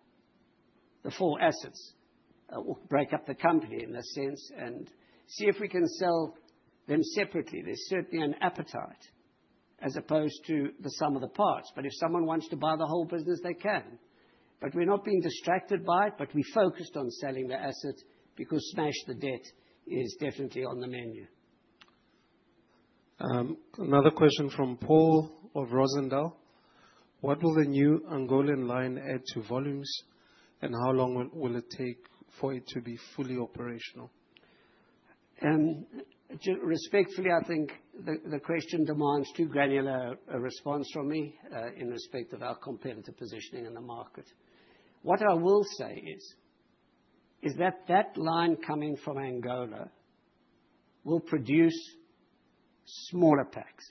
the four assets or break up the company in a sense and see if we can sell them separately. There's certainly an appetite as opposed to the sum of the parts. If someone wants to buy the whole business, they can. We're not being distracted by it, but we're focused on selling the asset because smash the debt is definitely on the menu. Another question from Paul of Rozendal, what will the new Angolan line add to volumes, and how long will it take for it to be fully operational? Respectfully, I think the question demands too granular a response from me, in respect of our competitive positioning in the market. What I will say is that that line coming from Angola will produce smaller packs.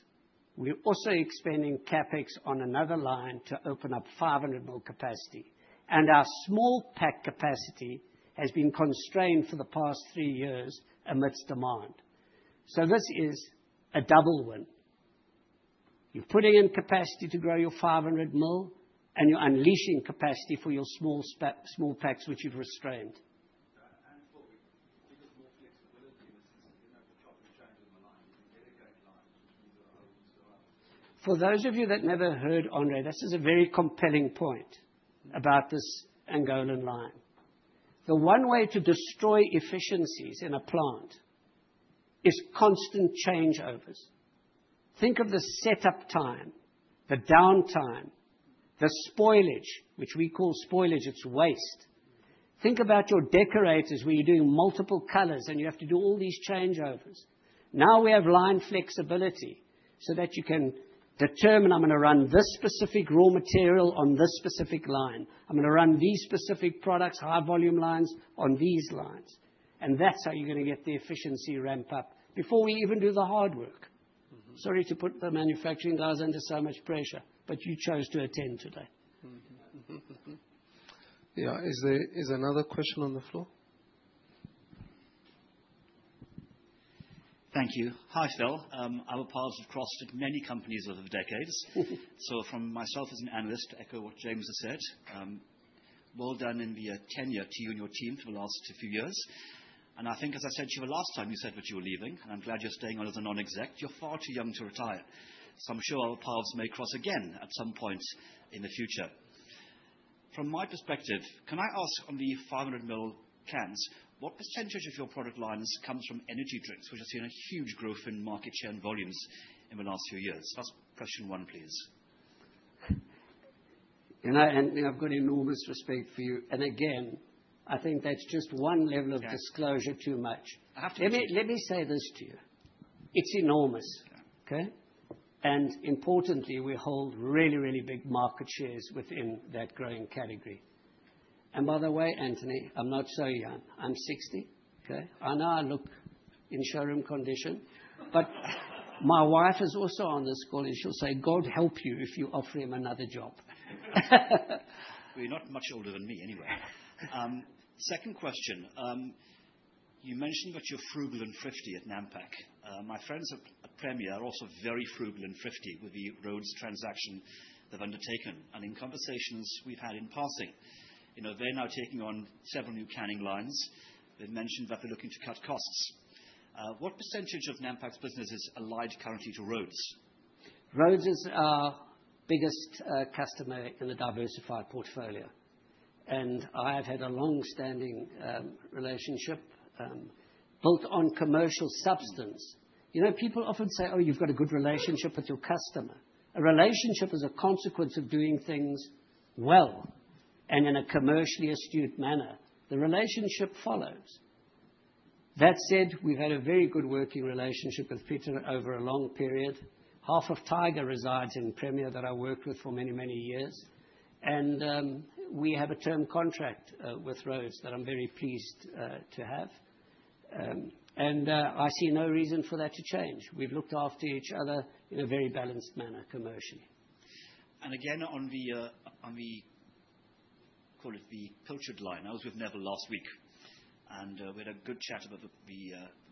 We're also expanding CapEx on another line to open up 500 ml capacity. Our small pack capacity has been constrained for the past three years amidst demand. This is a double win. You're putting in capacity to grow your 500 ml, and you're unleashing capacity for your small packs which you've restrained. For those of you that never heard Andre, this is a very compelling point about this Angolan line. The one way to destroy efficiencies in a plant is constant changeovers. Think of the setup time, the downtime, the spoilage, which we call spoilage, it's waste. Think about your decorators, where you're doing multiple colors and you have to do all these changeovers. Now we have line flexibility so that you can determine, I'm gonna run this specific raw material on this specific line. I'm gonna run these specific products, high volume lines, on these lines. That's how you're gonna get the efficiency ramp up before we even do the hard work. Mm-hmm. Sorry to put the manufacturing guys under so much pressure, but you chose to attend today. Yeah. Is there another question on the floor? Thank you. Hi, Phil. Our paths have crossed at many companies over the decades. From myself as an analyst, to echo what James has said, well done in the tenure to you and your team for the last few years. I think, as I said to you the last time you said that you were leaving, and I'm glad you're staying on as a non-exec, you're far too young to retire, so I'm sure our paths may cross again at some point in the future. From my perspective, can I ask on the 500 ml cans, what percentage of your product lines comes from energy drinks, which has seen a huge growth in market share and volumes in the last few years? That's question one, please. You know, Anthony, I've got enormous respect for you. Again, I think that's just one level. Yeah. Of disclosure too much. I have to. Let me say this to you. It's enormous. Yeah. Okay? Importantly, we hold really, really big market shares within that growing category. By the way, Anthony, I'm not so young. I'm 60, okay? I know I look in showroom condition. My wife is also on this call, and she'll say, "God help you if you offer him another job." Well, you're not much older than me anyway. Second question. You mentioned that you're frugal and thrifty at Nampak. My friends at Premier are also very frugal and thrifty with the Rhodes transaction they've undertaken. In conversations we've had in passing, you know, they're now taking on several new canning lines. They've mentioned that they're looking to cut costs. What percentage of Nampak's business is allied currently to Rhodes? Rhodes is our biggest customer in the diversified portfolio. I've had a long-standing relationship built on commercial substance. You know, people often say, "Oh, you've got a good relationship with your customer." A relationship is a consequence of doing things well and in a commercially astute manner. The relationship follows. That said, we've had a very good working relationship with Peter over a long period. Half of Tiger resides in Premier that I worked with for many, many years. We have a term contract with Rhodes that I'm very pleased to have. I see no reason for that to change. We've looked after each other in a very balanced manner commercially. On the canned line, call it, I was with Neville last week, and we had a good chat about the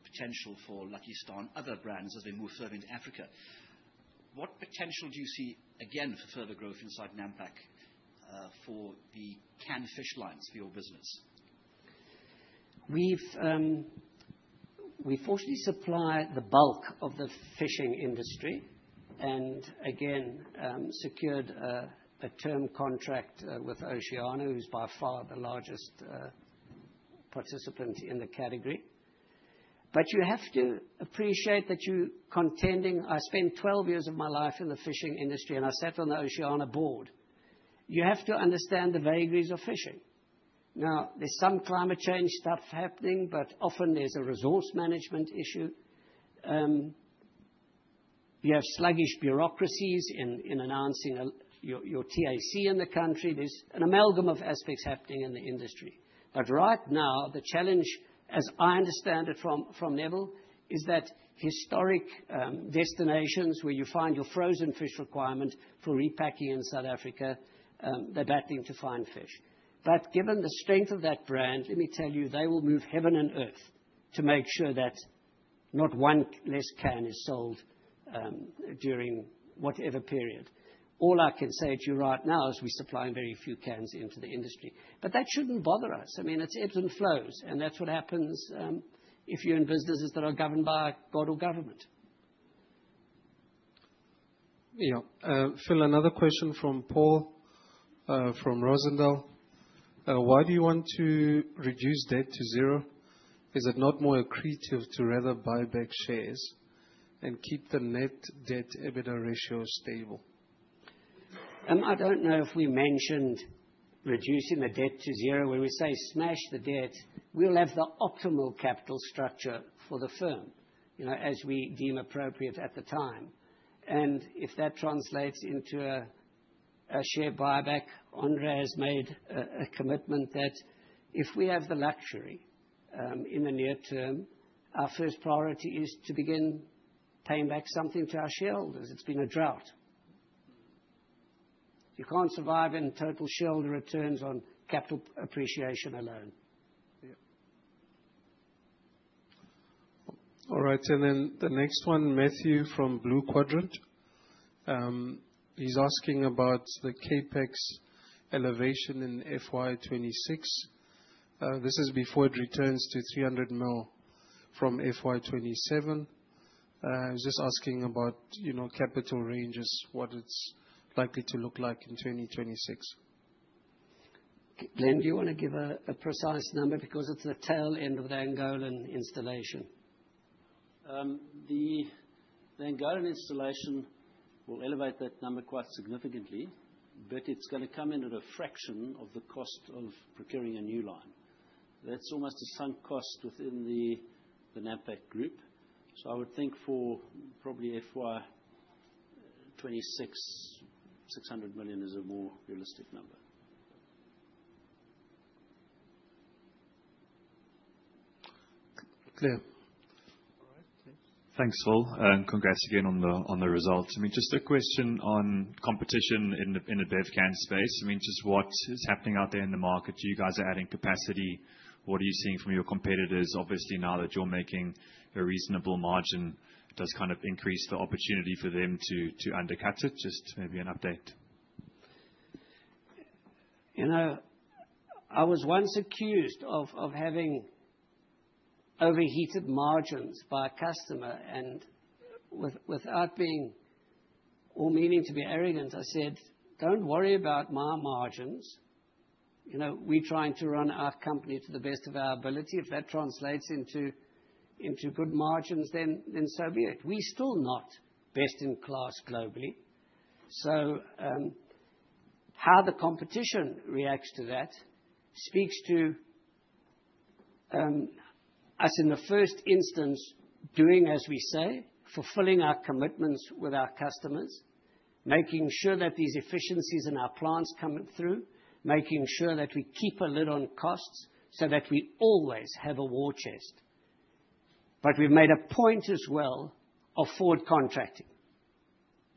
potential for Lucky Star and other brands as they move further into Africa. What potential do you see again for further growth inside Nampak for the canned fish lines for your business? We fortunately supply the bulk of the fishing industry and, again, secured a term contract with Oceana, who's by far the largest participant in the category. You have to appreciate that you're contending. I spent 12 years of my life in the fishing industry, and I sat on the Oceana board. You have to understand the vagaries of fishing. Now, there's some climate change stuff happening, but often there's a resource management issue. You have sluggish bureaucracies in announcing your TAC in the country. There's an amalgam of aspects happening in the industry. Right now, the challenge, as I understand it from Neville, is that historic destinations where you find your frozen fish requirement for repacking in South Africa, they're battling to find fish. Given the strength of that brand, let me tell you, they will move heaven and earth to make sure that not one less can is sold, during whatever period. All I can say to you right now is we supply very few cans into the industry. That shouldn't bother us. I mean, it's ebbs and flows. That's what happens, if you're in businesses that are governed by God or government. Phil, another question from Paul, from Rozendal. Why do you want to reduce debt to zero? Is it not more accretive to rather buy back shares and keep the net debt-to-EBITDA ratio stable? I don't know if we mentioned reducing the debt to zero. When we say smash the debt, we'll have the optimal capital structure for the firm, you know, as we deem appropriate at the time. If that translates into a share buyback, Andre has made a commitment that if we have the luxury, in the near term, our first priority is to begin paying back something to our shareholders. It's been a drought. You can't survive in total shareholder returns on capital appreciation alone. Yeah. All right. The next one, Matthew from Blue Quadrant. He's asking about the CapEx elevation in FY 2026. This is before it returns to 300 million from FY 2027. He's just asking about, you know, capital ranges, what it's likely to look like in 2026. Glenn, do you wanna give a precise number because it's the tail end of the Angolan installation? The Angolan installation will elevate that number quite significantly, but it's gonna come in at a fraction of the cost of procuring a new line. That's almost a sunk cost within the Nampak group. I would think for probably FY 2026, 600 million is a more realistic number. Clear. All right. Thanks. Thanks, Phil, and congrats again on the results. I mean, just a question on competition in the Bevcan space. I mean, just what is happening out there in the market? You guys are adding capacity. What are you seeing from your competitors? Obviously, now that you're making a reasonable margin, does kind of increase the opportunity for them to undercut it? Just maybe an update. You know, I was once accused of having overheated margins by a customer, and without being or meaning to be arrogant, I said, "Don't worry about my margins. You know, we're trying to run our company to the best of our ability. If that translates into good margins, then so be it." We're still not best-in-class globally. How the competition reacts to that speaks to, as in the first instance, doing as we say, fulfilling our commitments with our customers, making sure that these efficiencies in our plans come through, making sure that we keep a lid on costs so that we always have a war chest. We've made a point as well of forward contracting.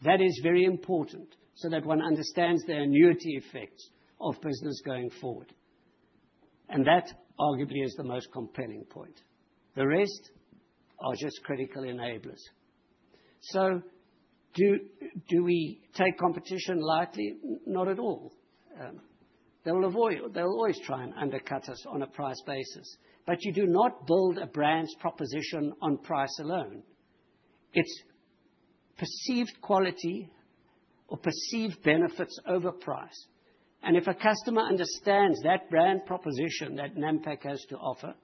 That is very important so that one understands the annuity effects of business going forward. That, arguably, is the most compelling point. The rest are just critical enablers. Do we take competition lightly? Not at all. They'll always try and undercut us on a price basis. But you do not build a brand's proposition on price alone. It's perceived quality or perceived benefits over price. If a customer understands that brand proposition that Nampak has to offer,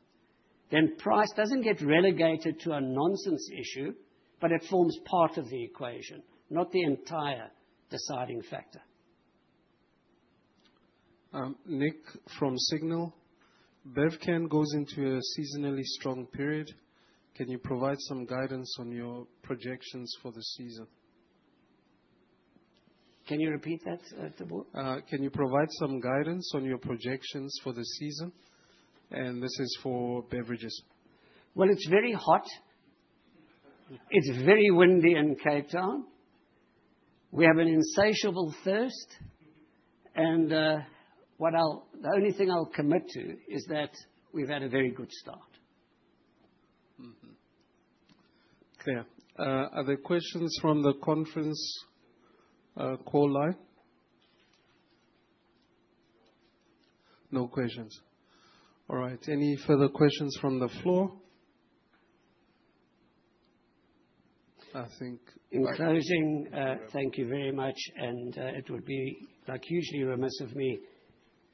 then price doesn't get relegated to a nonsense issue, but it forms part of the equation, not the entire deciding factor. Nick from Signal. Bevcan goes into a seasonally strong period. Can you provide some guidance on your projections for the season? Can you repeat that, Thabo? Can you provide some guidance on your projections for the season? This is for beverages. Well, it's very hot. It's very windy in Cape Town. We have an insatiable thirst and, the only thing I'll commit to is that we've had a very good start. Clear. Are there questions from the conference call line? No questions. All right. Any further questions from the floor? I think. In closing, thank you very much. It would be, like usually, remiss of me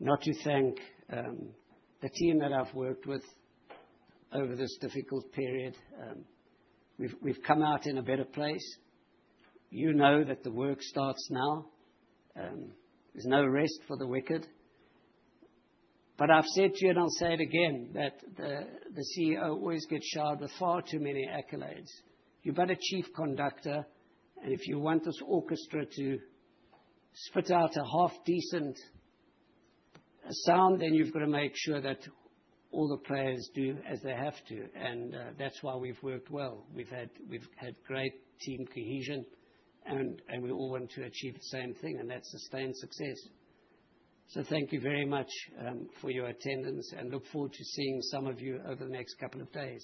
not to thank the team that I've worked with over this difficult period. We've come out in a better place. You know that the work starts now. There's no rest for the wicked. I've said to you and I'll say it again, that the CEO always gets showered with far too many accolades. You've got a chief conductor, and if you want this orchestra to spit out a half decent sound, then you've got to make sure that all the players do as they have to. That's why we've worked well. We've had great team cohesion and we all want to achieve the same thing, and that's sustained success. Thank you very much for your attendance, and I look forward to seeing some of you over the next couple of days.